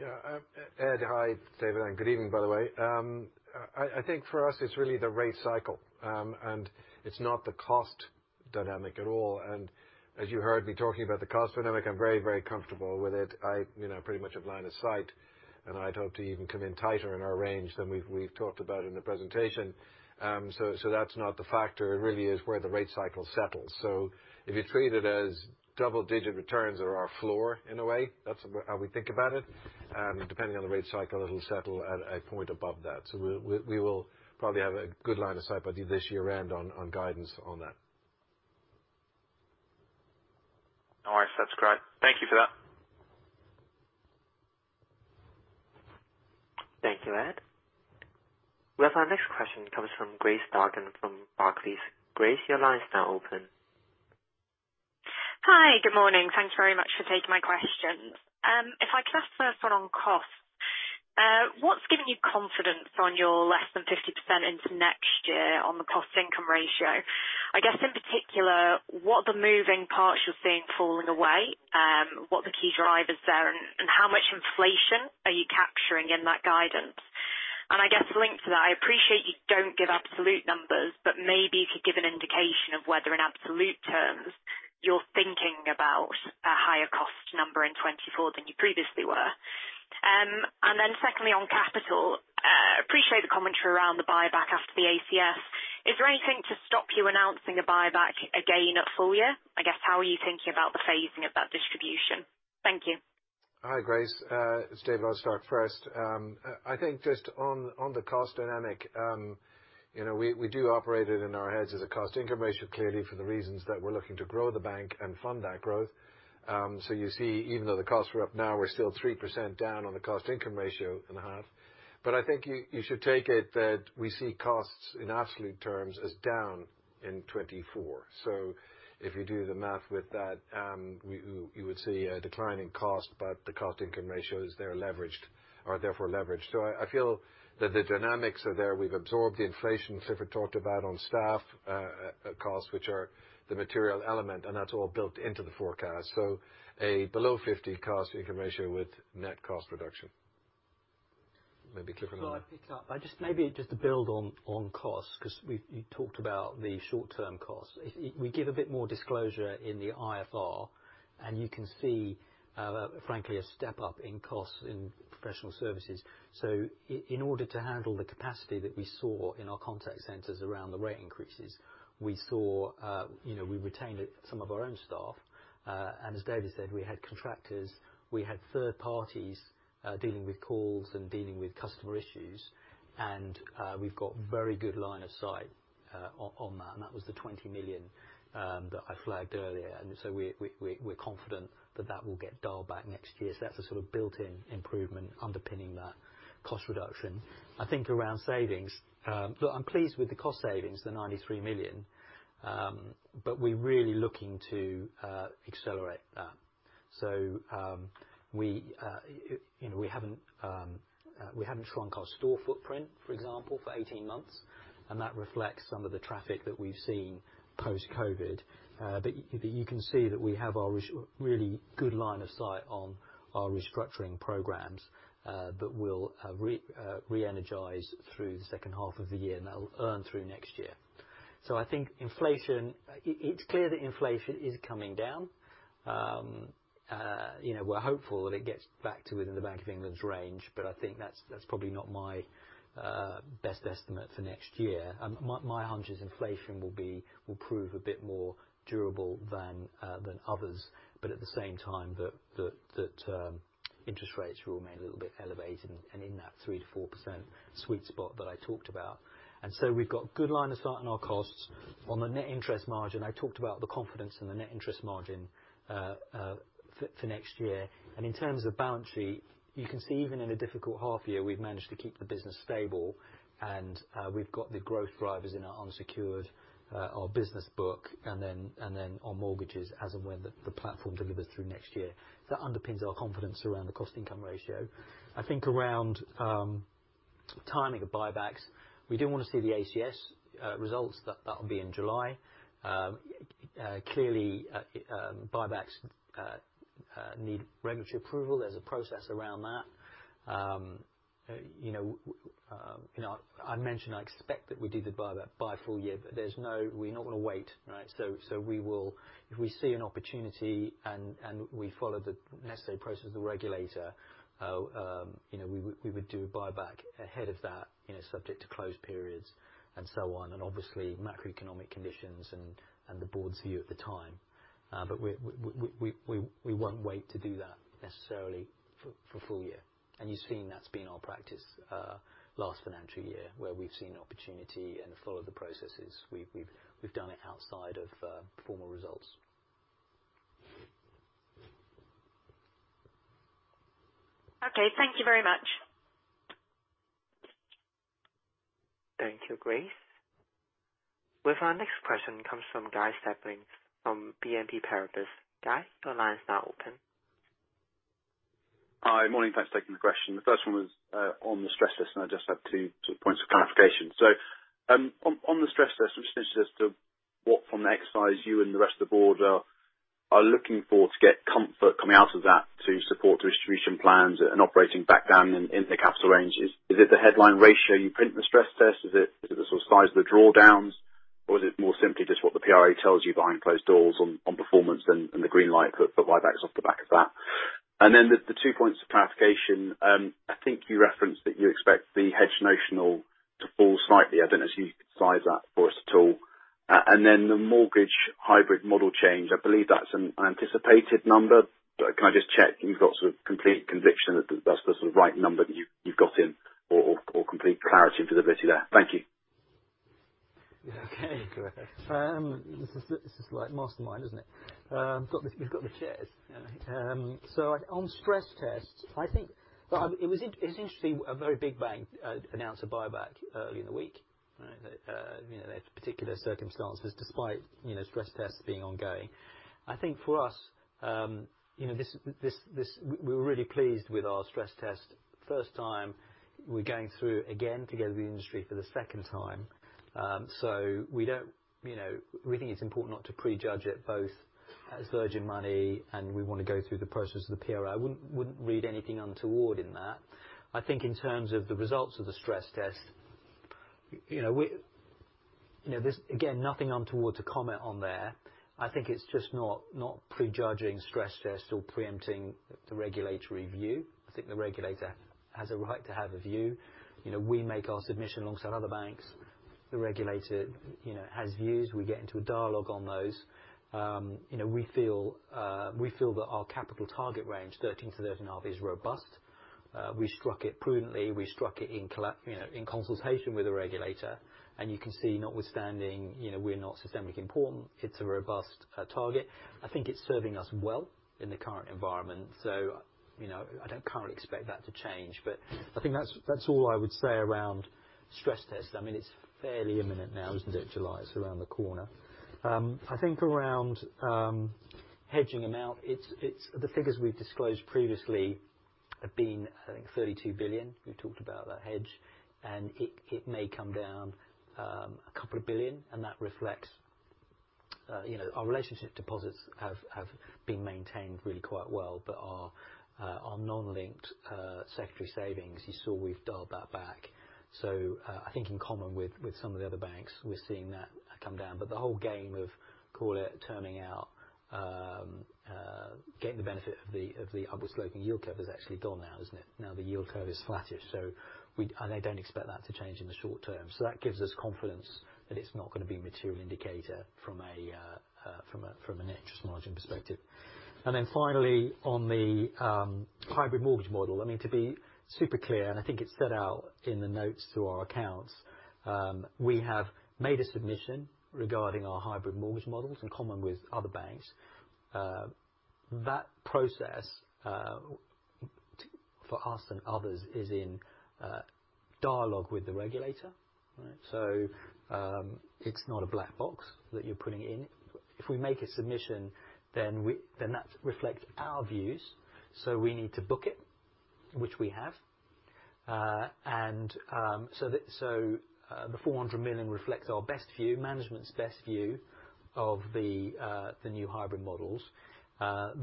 Yeah. Ed, hi. It's David. Good evening, by the way. I think for us it's really the rate cycle, and it's not the cost dynamic at all. As you heard me talking about the cost dynamic, I'm very, very comfortable with it. I, you know, pretty much have line of sight, and I'd hope to even come in tighter in our range than we've talked about in the presentation. So that's not the factor. It really is where the rate cycle settles. If you treat it as double digit returns or our floor in a way, that's how we think about it. Depending on the rate cycle, it'll settle at a point above that. We will probably have a good line of sight by the this year end on guidance on that. All right. That's great. Thank you for that. Thank you, Ed. Our next question comes from Grace Dargan from Barclays. Grace, your line is now open. Hi. Good morning. Thanks very much for taking my questions. If I could ask the first one on costs. What's giving you confidence on your less than 50% into next year on the cost-income ratio? I guess in particular, what are the moving parts you're seeing fall in the way, what the key drivers there and how much inflation are you capturing in that guidance? I guess linked to that, I appreciate you don't give absolute numbers, but maybe you could give an indication of whether in absolute terms you're thinking about a higher cost number in 2024 than you previously were. Secondly, on capital, appreciate the commentary around the buyback after the ACS. Is there anything to stop you announcing a buyback again at full year? I guess how are you thinking about the phasing of that distribution? Thank you. Hi, Grace. It's David first. I think just on the cost dynamic, you know, we do operate it in our heads as a cost-income ratio, clearly for the reasons that we're looking to grow the bank and fund that growth. You see, even though the costs are up now, we're still 3% down on the cost-income ratio in half. I think you should take it that we see costs in absolute terms as down in 2024. If you do the math with that, you would see a decline in cost, but the cost-income ratios, they're leveraged or therefore leveraged. I feel that the dynamics are there. We've absorbed the inflation Clifford talked about on staff costs, which are the material element, and that's all built into the forecast. A below 50 cost-income ratio with net cost reduction. Maybe Clifford. Well, I pick up by maybe just to build on costs, 'cause you talked about the short term costs. We give a bit more disclosure in the IFR. You can see, frankly, a step up in costs in professional services. In order to handle the capacity that we saw in our contact centers around the rate increases, we saw, you know, we retained some of our own staff. As David said, we had contractors, we had third parties, dealing with calls and dealing with customer issues. We've got very good line of sight on that, and that was the 20 million that I flagged earlier. We're confident that that will get dialed back next year. That's a sort of built-in improvement underpinning that cost reduction. I think around savings, look, I'm pleased with the cost savings, the 93 million. We're really looking to accelerate that. We, you know, we haven't shrunk our store footprint, for example, for 18 months, and that reflects some of the traffic that we've seen post-COVID. You can see that we have a really good line of sight on our restructuring programs that will re-energize through the second half of the year and that will earn through next year. I think inflation... It's clear that inflation is coming down. You know, we're hopeful that it gets back to within the Bank of England's range, but I think that's probably not my best estimate for next year. My hunch is inflation will prove a bit more durable than others, but at the same time that interest rates will remain a little bit elevated and in that 3%-4% sweet spot that I talked about. We've got good line of sight in our costs. On the net interest margin, I talked about the confidence in the net interest margin for next year. In terms of balance sheet, you can see even in a difficult half year, we've managed to keep the business stable and we've got the growth drivers in our unsecured, our business book and then on mortgages as and when the platform delivers through next year. That underpins our confidence around the cost-income ratio. I think around timing of buybacks, we do wanna see the ACS results. That'll be in July. Clearly, buybacks need regulatory approval. There's a process around that. I mentioned I expect that we do the buyback by full year, we're not gonna wait, right? If we see an opportunity and we follow the necessary process of the regulator, we would do a buyback ahead of that, subject to close periods and so on, and obviously macroeconomic conditions and the board's view at the time. We won't wait to do that necessarily for full year. You've seen that's been our practice, last financial year, where we've seen opportunity and followed the processes. We've done it outside of formal results. Okay. Thank you very much. Grace. With our next question comes from Guy Stebbings from BNP Paribas. Guy, your line is now open. Hi. Morning. Thanks for taking the question. The first one was on the stress test. I just have two sort of points of clarification. On the stress test, I'm just interested as to what from the exercise you and the rest of the board are looking for to get comfort coming out of that to support the distribution plans and operating back down in the capital ranges. Is it the headline ratio you print in the stress test? Is it the sort of size of the drawdowns, or is it more simply just what the PRA tells you behind closed doors on performance and the green light for buybacks off the back of that? Then the two points of clarification. I think you referenced that you expect the hedge notional to fall slightly. I don't know if you can size that for us at all. Then the mortgage hybrid model change. I believe that's an anticipated number, can I just check you've got sort of complete conviction that that's the sort of right number that you've got in or complete clarity and visibility there? Thank you. Okay, Grace. This is like mastermind, isn't it? We've got the chairs. On stress tests, I think... It was interesting, a very big bank announced a buyback early in the week. Right. You know, their particular circumstances despite, you know, stress tests being ongoing. I think for us, you know, we're really pleased with our stress test first time. We're going through again together with the industry for the second time. We don't... You know, we think it's important not to prejudge it both as Virgin Money, and we wanna go through the process of the PRA. Wouldn't read anything untoward in that. I think in terms of the results of the stress test, you know, there's again, nothing untoward to comment on there. I think it's just not prejudging stress tests or preempting the regulatory view. I think the regulator has a right to have a view. You know, we make our submission alongside other banks. The regulator, you know, has views. We get into a dialogue on those. You know, we feel that our capital target range, 13%-13.5%, is robust. We struck it prudently. We struck it in, you know, in consultation with the regulator. You can see, notwithstanding, you know, we're not systemically important, it's a robust target. I think it's serving us well in the current environment. I don't currently expect that to change. I think that's all I would say around stress tests. I mean, it's fairly imminent now, isn't it? July is around the corner. I think around hedging amount, the figures we've disclosed previously have been, I think, 32 billion. We talked about that hedge, and it may come down 2 billion. That reflects, you know, our relationship deposits have been maintained really quite well. Our non-linked notice savings, you saw we've dialed that back. I think in common with some of the other banks, we're seeing that come down. The whole game of, call it turning out, getting the benefit of the upward sloping yield curve is actually gone now, isn't it? Now the yield curve is flattish, so I don't expect that to change in the short term. That gives us confidence that it's not gonna be a material indicator from a net interest margin perspective. And then finally, on the hybrid mortgage model. I mean, to be super clear, and I think it's set out in the notes to our accounts, we have made a submission regarding our hybrid mortgage models in common with other banks. That process for us and others is in dialogue with the regulator. Right. It's not a black box that you're putting in. If we make a submission, then that reflects our views, so we need to book it, which we have. The 400 million reflects our best view, management's best view of the new hybrid models.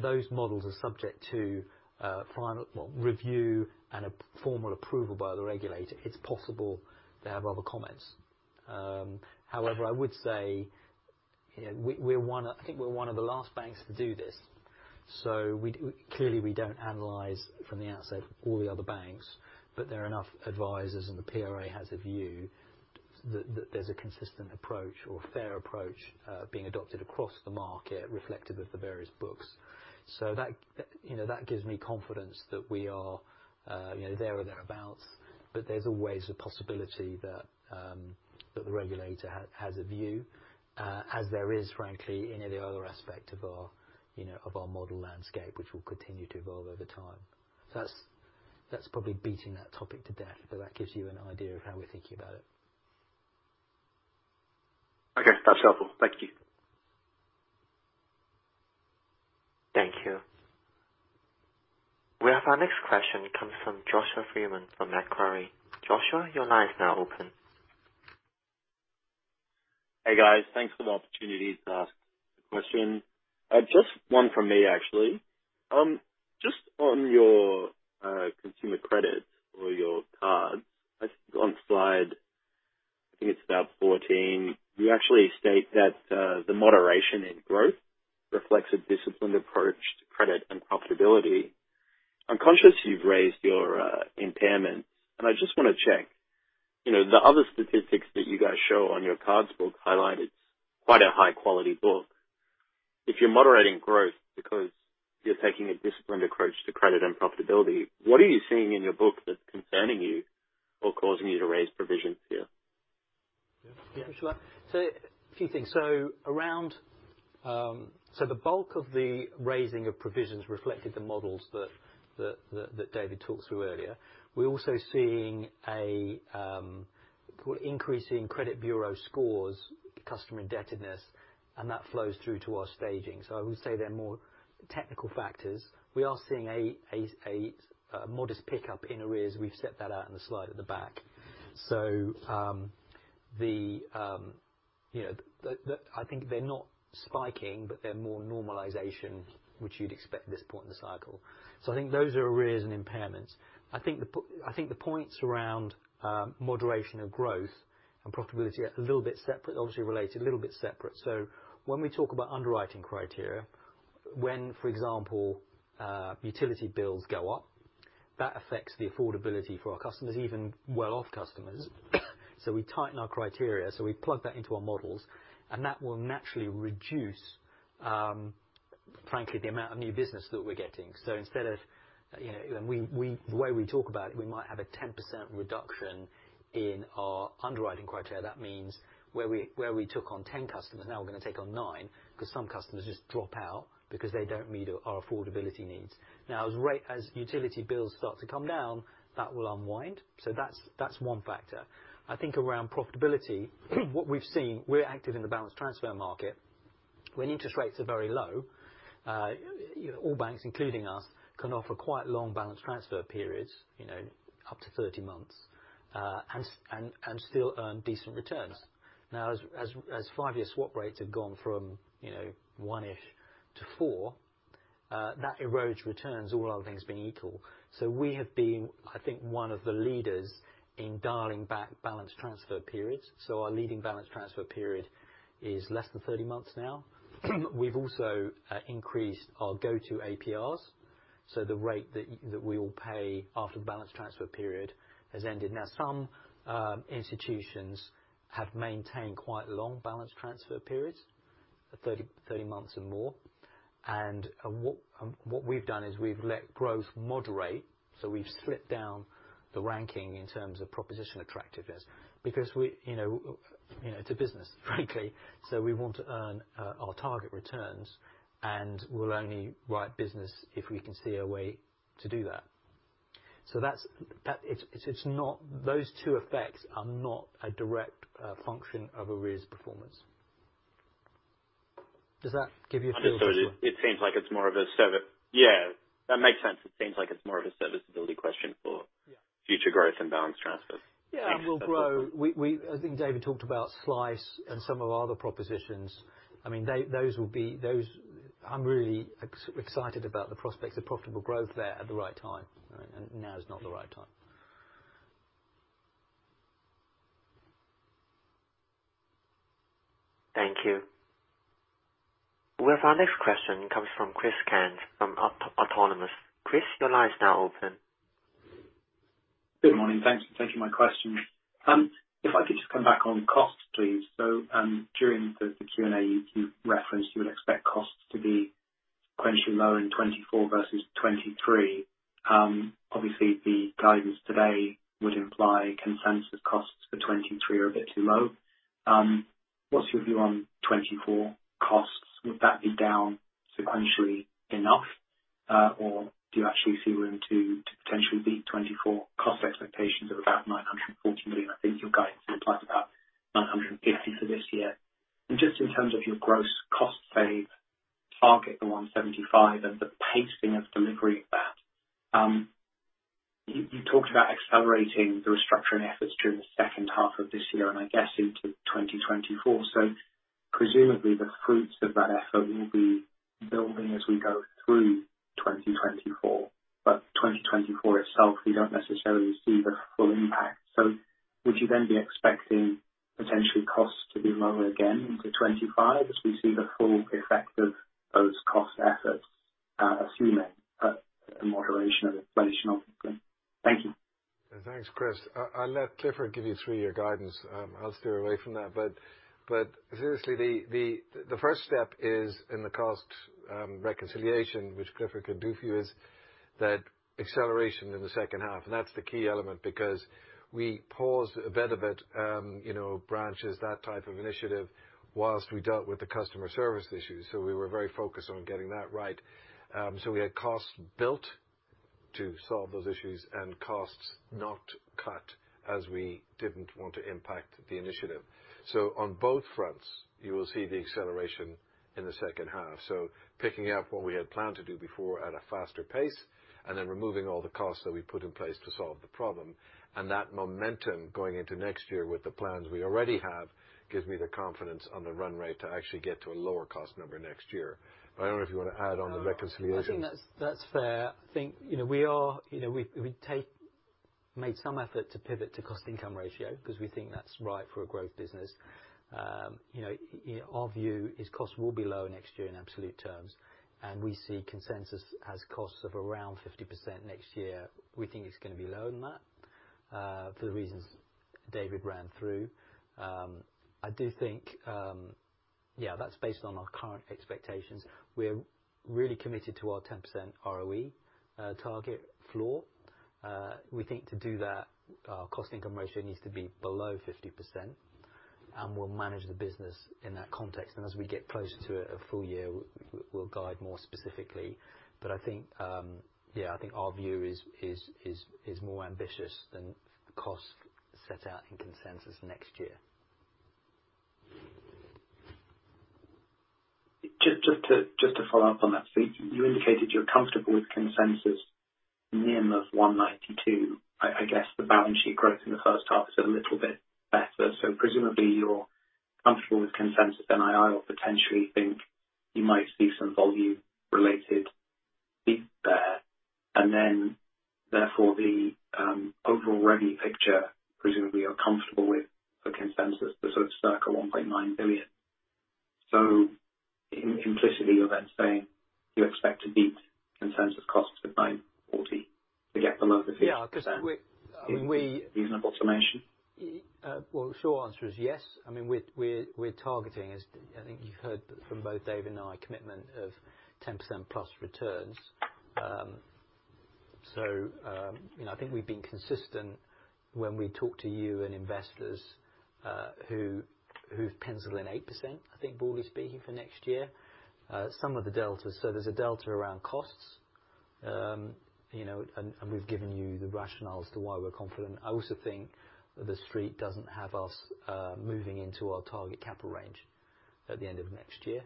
Those models are subject to, well, final review and a formal approval by the regulator. It's possible they have other comments. However, I would say we're one of the last banks to do this. Clearly, we don't analyze from the outset all the other banks, but there are enough advisors, and the PRA has a view that there's a consistent approach or fair approach being adopted across the market reflective of the various books. That, you know, that gives me confidence that we are, you know, there or thereabouts. There's always a possibility that the regulator has a view as there is frankly any other aspect of our, you know, of our model landscape which will continue to evolve over time. That's probably beating that topic to death, but that gives you an idea of how we're thinking about it. Okay. That's helpful. Thank you. Thank you. We have our next question comes from Joshua Freeman from Macquarie. Joshua, your line is now open. Hey, guys. Thanks for the opportunity to ask a question. Just one from me, actually. Just on your consumer credit or your cards, I think on slide, I think it's about 14, you actually state that the moderation in growth reflects a disciplined approach to credit and profitability. I'm conscious you've raised your impairments, and I just wanna check. You know, the other statistics that you guys show on your cards book highlighted quite a high quality book. If you're moderating growth because you're taking a disciplined approach to credit and profitability, what are you seeing in your book that's concerning you or causing you to raise provisions here? Yeah. Yeah. Joshua. A few things. The bulk of the raising of provisions reflected the models that David talked through earlier. We're also seeing a, call it increasing credit bureau scores, customer indebtedness, and that flows through to our staging. I would say they're more technical factors. We are seeing a modest pickup in arrears. We've set that out in the slide at the back. The, you know, I think they're not spiking, but they're more normalization, which you'd expect at this point in the cycle. I think those are arrears and impairments. I think the points around moderation of growth and profitability are a little bit separate, obviously related, a little bit separate. When we talk about underwriting criteria, when, for example, utility bills go up, that affects the affordability for our customers, even well-off customers. We tighten our criteria, so we plug that into our models, and that will naturally reduce, frankly, the amount of new business that we're getting. Instead of, you know... We, the way we talk about it, we might have a 10% reduction in our underwriting criteria. That means where we, where we took on 10 customers, now we're gonna take on 9, 'cause some customers just drop out because they don't meet our affordability needs. As utility bills start to come down, that will unwind. That's one factor. I think around profitability, what we've seen, we're active in the balance transfer market. When interest rates are very low, all banks, including us, can offer quite long balance transfer periods, you know, up to 30 months, and still earn decent returns. As five year swap rates have gone from, you know, 1-ish to 4, that erodes returns, all other things being equal. We have been, I think, one of the leaders in dialing back balance transfer periods. Our leading balance transfer period is less than 30 months now. We've also increased our go-to APRs, so the rate that we will pay after the balance transfer period has ended. Some institutions have maintained quite long balance transfer periods, 30 months and more. What we've done is we've let growth moderate, so we've slipped down the ranking in terms of proposition attractiveness because we, you know, it's a business, frankly, so we want to earn our target returns, and we'll only write business if we can see a way to do that. That's, it's not. Those two effects are not a direct function of arrears performance. Does that give you a feel for? Yeah, that makes sense. It seems like it's more of a serviceability question. Yeah. future growth and balance transfers. Yeah. We'll grow. I think David talked about Slyce and some of our other propositions. I mean, those will be. I'm really excited about the prospects of profitable growth there at the right time, right? Now is not the right time. Thank you. We have our next question comes from Chris Kent from Autonomous. Chris, your line is now open. Good morning. Thank you for taking my question. If I could just come back on costs, please. During the Q&A, you referenced you would expect costs to be sequentially lower in 2024 versus 2023. Obviously, the guidance today would imply consensus costs for 2023 are a bit too low. What's your view on 2024 costs? Would that be down sequentially enough, or do you actually see room to potentially beat 2024 cost expectations of about 940 million? I think your guidance implies about 950 million for this year. Just in terms of your gross cost save target, the 175, and the pacing of delivery of that. You talked about accelerating the restructuring efforts during the second half of this year, and I guess into 2024. Presumably, the fruits of that effort will be building as we go through 2024, but 2024 itself, we don't necessarily see the full impact. Would you then be expecting potentially costs to be lower again into 2025 as we see the full effect of those cost efforts, assuming a moderation of inflation, obviously? Thank you. Thanks, Chris. I'll let Clifford give you three year guidance. I'll steer away from that. Seriously, the first step is in the cost reconciliation, which Clifford can do for you, is that acceleration in the second half. That's the key element because we paused a bit of it, you know, branches, that type of initiative, whilst we dealt with the customer service issues. We were very focused on getting that right. We had costs built to solve those issues and costs not cut as we didn't want to impact the initiative. On both fronts, you will see the acceleration in the second half. Picking up what we had planned to do before at a faster pace, and then removing all the costs that we put in place to solve the problem. That momentum going into next year with the plans we already have, gives me the confidence on the run rate to actually get to a lower cost number next year. I don't know if you want to add on the reconciliation. I think that's fair. I think, you know, we are, you know, we made some effort to pivot to cost-income ratio because we think that's right for a growth business. You know, our view is cost will be low next year in absolute terms, and we see consensus as costs of around 50% next year. We think it's gonna be lower than that, for the reasons David ran through. I do think, yeah, that's based on our current expectations. We're really committed to our 10% ROE target floor. We think to do that, our cost-income ratio needs to be below 50%, and we'll manage the business in that context. As we get closer to a full year, we'll guide more specifically. I think, yeah, I think our view is more ambitious than the cost set out in consensus next year. Just to follow up on that. You indicated you're comfortable with consensus NIM of 1.92%. I guess the balance sheet growth in the first half is a little bit better, so presumably you're comfortable with consensus NII or potentially think you might see some volume related fees there. Therefore the overall revenue picture, presumably you're comfortable with the consensus, the sort of circle 1.9 billion. Implicitly, you're then saying you expect to beat consensus costs of 940 million to get below the 50%. Yeah, 'cause I mean Reasonable summation? Well, the short answer is yes. I mean, we're targeting as I think you've heard from both Dave and I, a commitment of 10% plus returns. So, you know, I think we've been consistent when we talk to you and investors, who've penciled in 8%, I think broadly speaking for next year. Some of the deltas. There's a delta around costs. You know, and we've given you the rationale as to why we're confident. I also think the Street doesn't have us moving into our target capital range at the end of next year.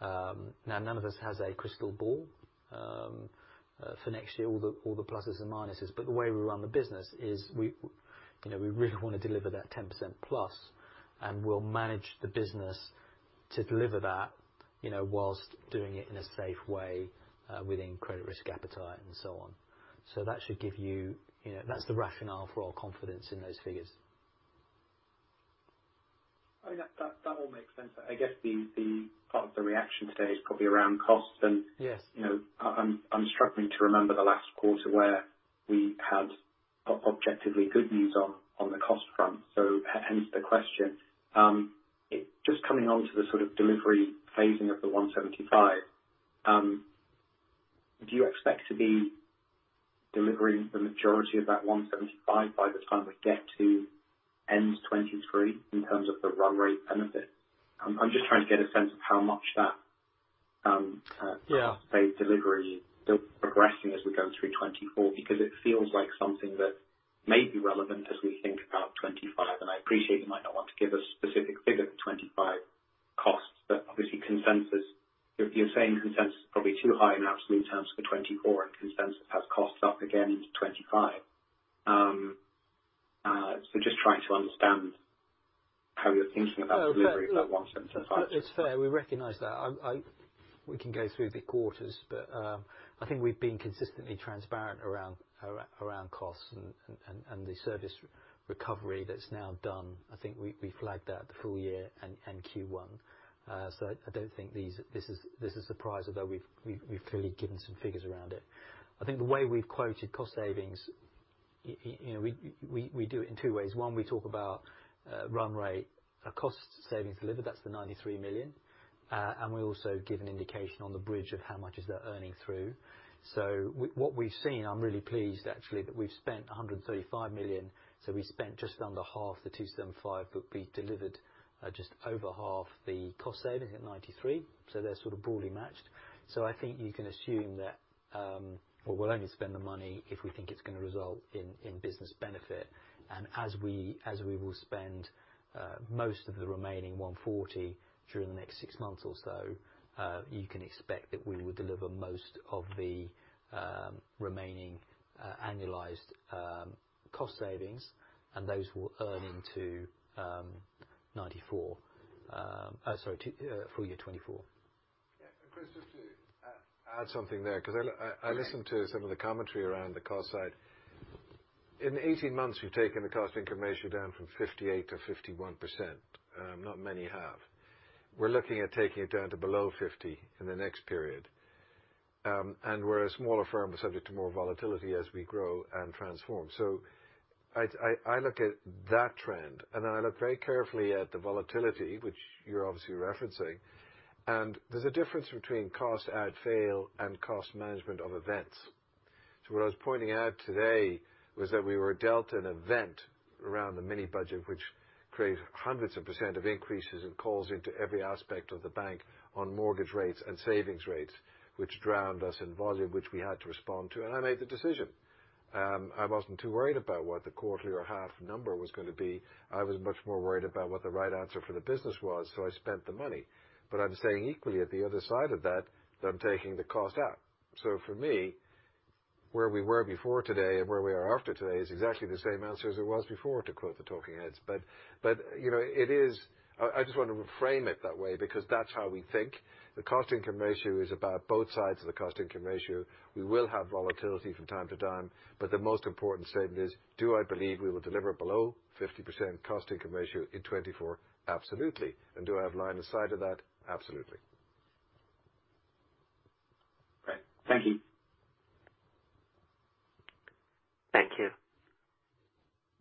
Now none of us has a crystal ball, for next year, all the pluses and minuses, but the way we run the business is we, you know, we really wanna deliver that 10% plus, and we'll manage the business to deliver that, you know, whilst doing it in a safe way, within credit risk appetite and so on. That should give you know, that's the rationale for our confidence in those figures. I mean that all makes sense. I guess the part of the reaction today is probably around cost and- Yes. You know, I'm struggling to remember the last quarter where we had objectively good news on the cost front. Hence the question. Just coming onto the sort of delivery phasing of the 175, do you expect to be delivering the majority of that 175 by the time we get to end 2023 in terms of the run rate benefit? I'm just trying to get a sense of how much that, Yeah. Cost save delivery is progressing as we go through 2024, because it feels like something that may be relevant as we think about 2025. I appreciate you might not want to give a specific figure for 2025 costs, but obviously consensus... If you're saying consensus is probably too high in absolute terms for 2024, and consensus has costs up again into 2025. Just trying to understand how you're thinking about delivery for that 175? It's fair. We recognize that. We can go through the quarters, but I think we've been consistently transparent around costs and the service recovery that's now done. I think we flagged that the full year and Q1. I don't think these, this is surprise, although we've clearly given some figures around it. I think the way we've quoted cost savings, you know, we do it in two ways. One, we talk about run rate, a cost savings delivered, that's the 93 million. And we also give an indication on the bridge of how much is that earning through. What we've seen, I'm really pleased actually that we've spent 135 million. We spent just under half the 275, but we delivered just over half the cost saving at 93. They're sort of broadly matched. I think you can assume that or we'll only spend the money if we think it's gonna result in business benefit. As we will spend most of the remaining 140 during the next six months or so, you can expect that we will deliver most of the remaining annualized cost savings and those will earn into full year 2024. Chris, just to add something there, 'cause I listened to some of the commentary around the cost side. In 18 months, we've taken the cost-income ratio down from 58% to 51%. Not many have. We're looking at taking it down to below 50% in the next period. We're a smaller firm, we're subject to more volatility as we grow and transform. I look at that trend and then I look very carefully at the volatility, which you're obviously referencing. There's a difference between cost add fail and cost management of events. What I was pointing out today was that we were dealt an event around the mini budget, which created hundreds of % of increases and calls into every aspect of the bank on mortgage rates and savings rates, which drowned us in volume, which we had to respond to. I made the decision. I wasn't too worried about what the quarterly or half number was gonna be. I was much more worried about what the right answer for the business was. I spent the money. I'm saying equally at the other side of that I'm taking the cost out. For me, where we were before today and where we are after today is exactly the same answer as it was before, to quote the talking heads. You know, it is... I just wanna reframe it that way because that's how we think. The cost-income ratio is about both sides of the cost-income ratio. We will have volatility from time to time, but the most important statement is, do I believe we will deliver below 50% cost-income ratio in 2024? Absolutely. Do I have line of sight of that? Absolutely. Great. Thank you. Thank you.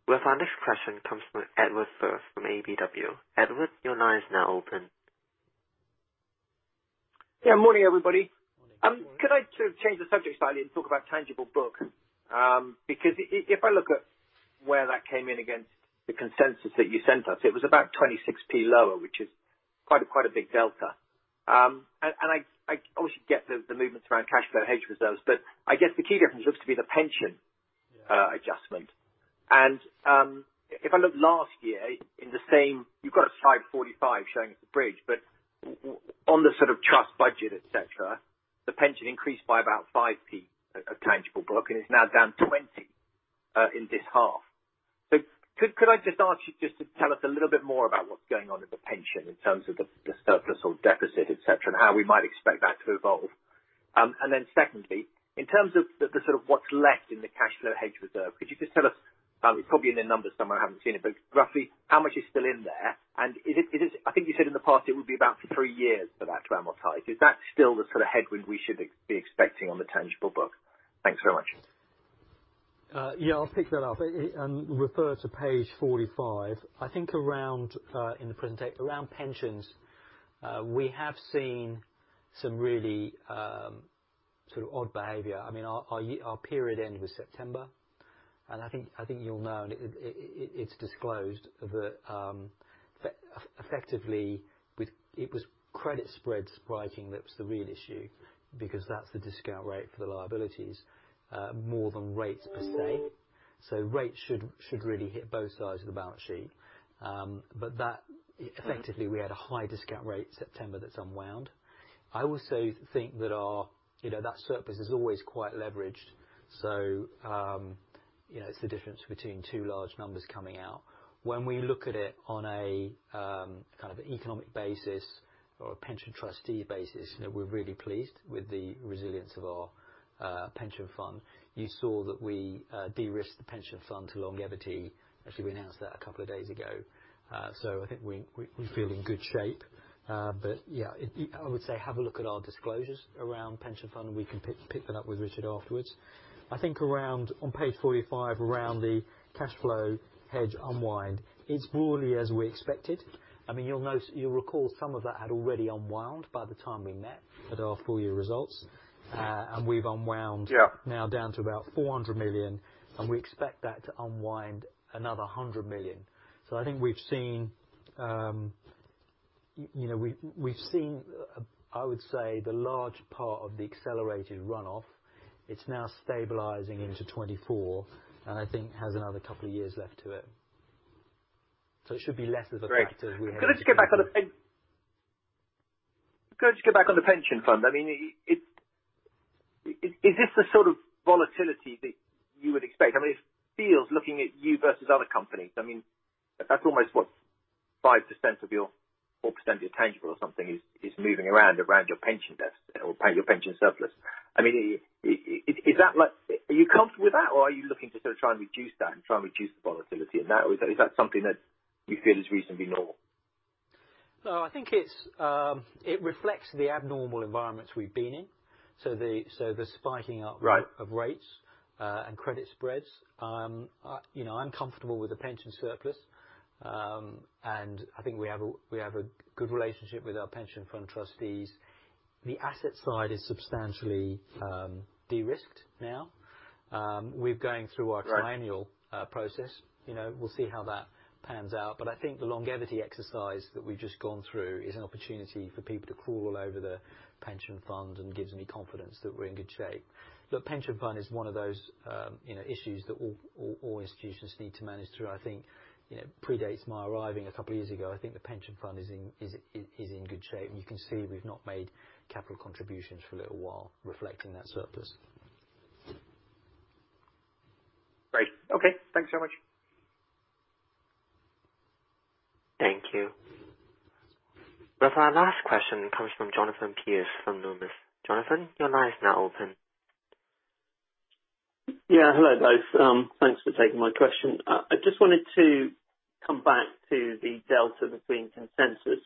Well, our next question comes from Edward Firth from KBW. Edward, your line is now open. Yeah. Morning, everybody. Morning. Could I sort of change the subject slightly and talk about tangible book? If I look at where that came in against the consensus that you sent us, it was about 0.26 lower, which is quite a big delta. I obviously get the movements around cash flow hedge reserves, but I guess the key difference looks to be the pension. Yeah. adjustment. If I look last year in the same... You've got slide 45 showing us the bridge, but on the sort of trust budget, et cetera, the pension increased by about 5% of tangible book, and it's now down 20 in this half. Could I just ask you to tell us a little bit more about what's going on in the pension in terms of the surplus or deficit, et cetera, and how we might expect that to evolve? Secondly, in terms of what's left in the cash flow hedge reserve, could you just tell us, it's probably in the numbers somewhere, I haven't seen it, but roughly how much is still in there? Is it... I think you said in the past it would be about three years for that to amortize. Is that still the sort of headwind we should be expecting on the tangible book? Thanks so much. Yeah, I'll pick that up and refer to page 45. I think around, in the present date, around pensions, we have seen some really sort of odd behavior. I mean, our period end was September. I think you'll know. It's disclosed that effectively it was credit spreads rising that was the real issue because that's the discount rate for the liabilities, more than rates per se. Rates should really hit both sides of the balance sheet. That effectively we had a high discount rate September that's unwound. I also think that our, you know, that surface is always quite leveraged. You know, it's the difference between two large numbers coming out. When we look at it on a kind of economic basis or a pension trustee basis, you know, we're really pleased with the resilience of our pension fund. You saw that we de-risked the pension fund to longevity. Actually, we announced that a couple of days ago. I think we feel in good shape. Yeah, I would say have a look at our disclosures around pension fund, and we can pick that up with Richard afterwards. I think around on page 45, around the cash flow hedge unwind, it's broadly as we expected. I mean, you'll recall some of that had already unwound by the time we met at our full year results. We've unwound- Yeah. -now down to about 400 million. We expect that to unwind another 100 million. I think we've seen, you know, we've seen, I would say, the large part of the accelerated runoff. It's now stabilizing into 2024. I think has another couple of years left to it. It should be less of a factor we have. Great. Could I just go back on the pension fund? Is this the sort of volatility that you would expect? I mean, it feels, looking at you versus other companies, I mean, that's almost, what, 5% of your... 4% of your tangible or something is moving around your pension desk or pay your pension surplus. I mean, is that like... Are you comfortable with that or are you looking to sort of try and reduce that and try and reduce the volatility in that? Is that something that you feel is reasonably normal? I think it's, it reflects the abnormal environments we've been in. So the. Right. -of rates and credit spreads. You know, I'm comfortable with the pension surplus. I think we have a good relationship with our pension fund trustees. The asset side is substantially de-risked now. Right. triennial process. You know, we'll see how that pans out. I think the longevity exercise that we've just gone through is an opportunity for people to crawl all over the pension fund and gives me confidence that we're in good shape. The pension fund is one of those, you know, issues that all institutions need to manage through. I think, you know, predates my arriving a couple of years ago. I think the pension fund is in good shape. You can see we've not made capital contributions for a little while reflecting that surplus. Great. Okay. Thank you so much. Thank you. With our last question comes from Jonathan Pierce from Numis. Jonathan, your line is now open. Yeah. Hello, guys. Thanks for taking my question. I just wanted to come back to the delta between consensus,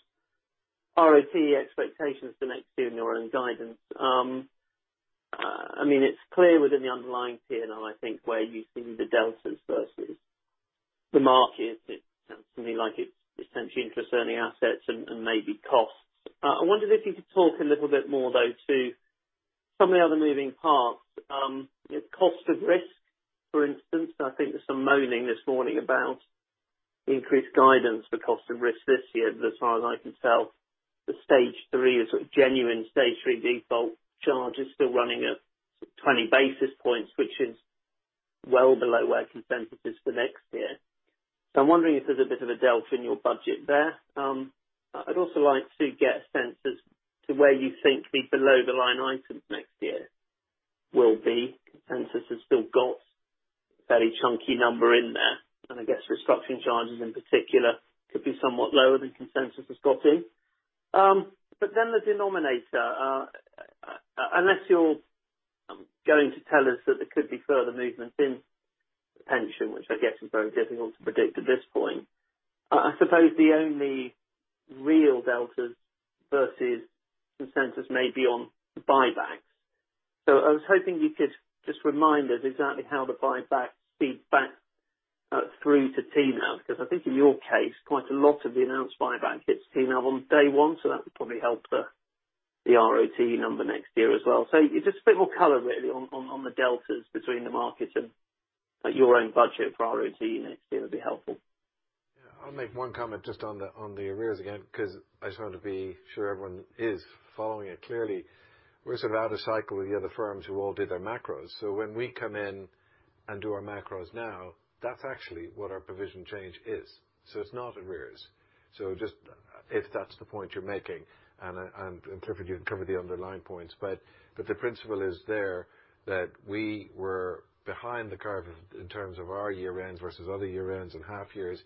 ROT expectations for next year and your own guidance. I mean it's clear within the underlying PNL, I think, where you've seen the deltas versus the market. It sounds to me like it's potentially interest earning assets and maybe costs. I wondered if you could talk a little bit more, though, to some of the other moving parts. Cost of risk, for instance. I think there's some moaning this morning about increased guidance for cost of risk this year. As far as I can tell, the stage 3 is a genuine stage 3 default. Charge is still running at 20 basis points, which is well below where consensus is for next year. I'm wondering if there's a bit of a delta in your budget there. I'd also like to get a sense as to where you think the below-the-line items next year will be. Consensus has still got a very chunky number in there, and I guess restructuring charges in particular could be somewhat lower than consensus has got in. The denominator, unless you're going to tell us that there could be further movement in the pension, which I guess is very difficult to predict at this point. I suppose the only real deltas versus consensus may be on buybacks. I was hoping you could just remind us exactly how the buyback feedback through to TNAV, because I think in your case, quite a lot of the announced buyback hits TNAV on day one, that would probably help the ROT number next year as well. Just a bit more color really on the deltas between the markets and your own budget for ROT next year would be helpful. Yeah. I'll make one comment just on the arrears again, 'cause I just want to be sure everyone is following it clearly. We're sort of out of cycle with the other firms who all do their macros. When we come in and do our macros now, that's actually what our provision change is. It's not arrears. Just if that's the point you're making, and I interpret you to cover the underlying points, but the principle is there that we were behind the curve in terms of our year ends versus other year ends and half years.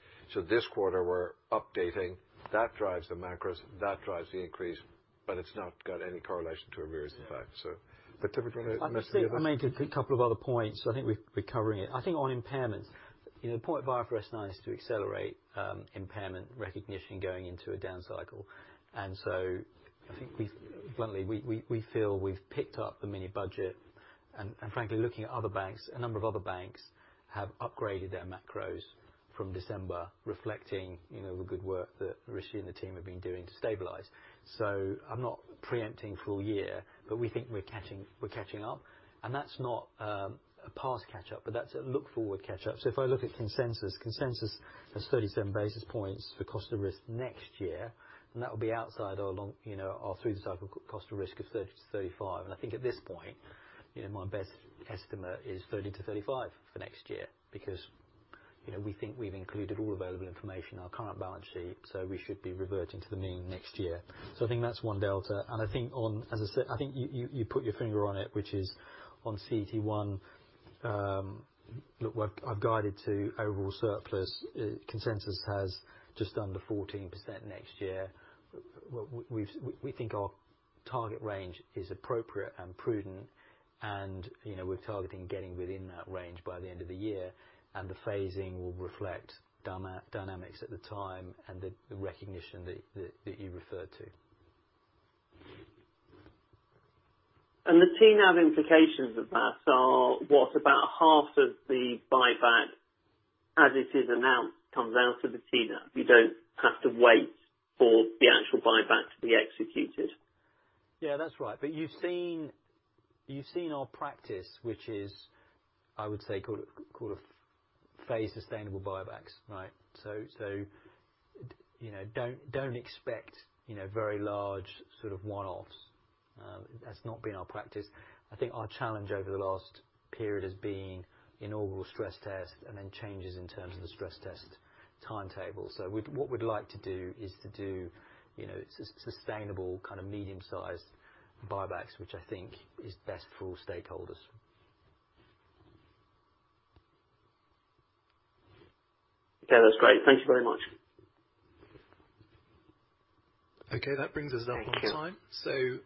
This quarter we're updating. That drives the macros, that drives the increase, but it's not got any correlation to arrears in fact. But typically I think I may take a couple of other points. I think we're covering it. I think on impairments, you know, the point of buy for us now is to accelerate impairment recognition going into a down cycle. I think bluntly, we feel we've picked up the mini budget and frankly, looking at other banks, a number of other banks have upgraded their macros from December reflecting, you know, the good work that Rishi and the team have been doing to stabilize. So I'm not preempting full year, but we think we're catching up. That's not a past catch-up, but that's a look-forward catch-up. If I look at consensus has 37 basis points for cost of risk next year, and that will be outside our long, you know, our through the cycle cost of risk of 30-35 basis points. I think at this point, you know, my best estimate is 30-35 basis points for next year because, you know, we think we've included all available information in our current balance sheet, so we should be reverting to the mean next year. I think that's one delta. I think as I said, I think you put your finger on it, which is on CET1, look what I've guided to overall surplus. Consensus has just under 14% next year. We think our target range is appropriate and prudent. You know, we're targeting getting within that range by the end of the year. The phasing will reflect dynamics at the time and the recognition that you referred to. The TNAV implications of that are what about half of the buyback as it is announced, comes down to the TNAV. You don't have to wait for the actual buyback to be executed. Yeah, that's right. You've seen our practice, which is, I would say, call it phase sustainable buybacks, right? You know, don't expect, you know, very large sort of one-offs. That's not been our practice. I think our challenge over the last period has been inaugural stress test and then changes in terms of the stress test timetable. What we'd like to do is to do, you know, sustainable kind of medium-sized buybacks, which I think is best for all stakeholders. Okay, that's great. Thank you very much. Okay. That brings us up on time. Thank you.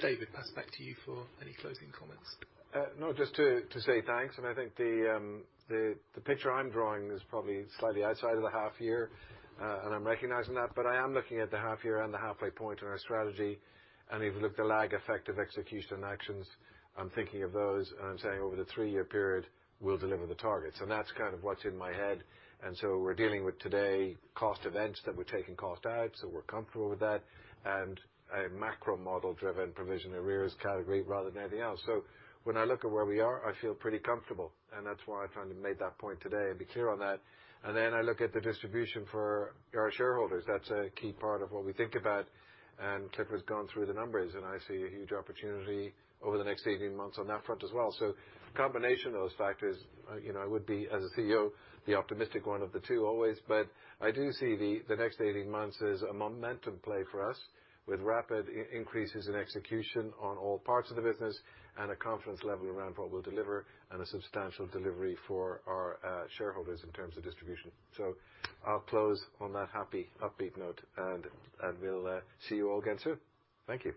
David, pass it back to you for any closing comments. No, just to say thanks. I think the picture I'm drawing is probably slightly outside of the half year, and I'm recognizing that, but I am looking at the half year and the halfway point in our strategy, and we've looked at the lag effect of execution actions. I'm thinking of those, and I'm saying over the three-year period, we'll deliver the targets. That's kind of what's in my head. We're dealing with today cost events that we're taking cost out, so we're comfortable with that, and a macro model driven provision arrears category rather than anything else. When I look at where we are, I feel pretty comfortable, and that's why I kind of made that point today and be clear on that. I look at the distribution for our shareholders. That's a key part of what we think about. Clifford's gone through the numbers, and I see a huge opportunity over the next 18 months on that front as well. Combination of those factors, you know, I would be as a CEO, the optimistic one of the two always. I do see the next 18 months as a momentum play for us with rapid increases in execution on all parts of the business and a confidence level around what we'll deliver and a substantial delivery for our shareholders in terms of distribution. I'll close on that happy, upbeat note and we'll see you all again soon. Thank you.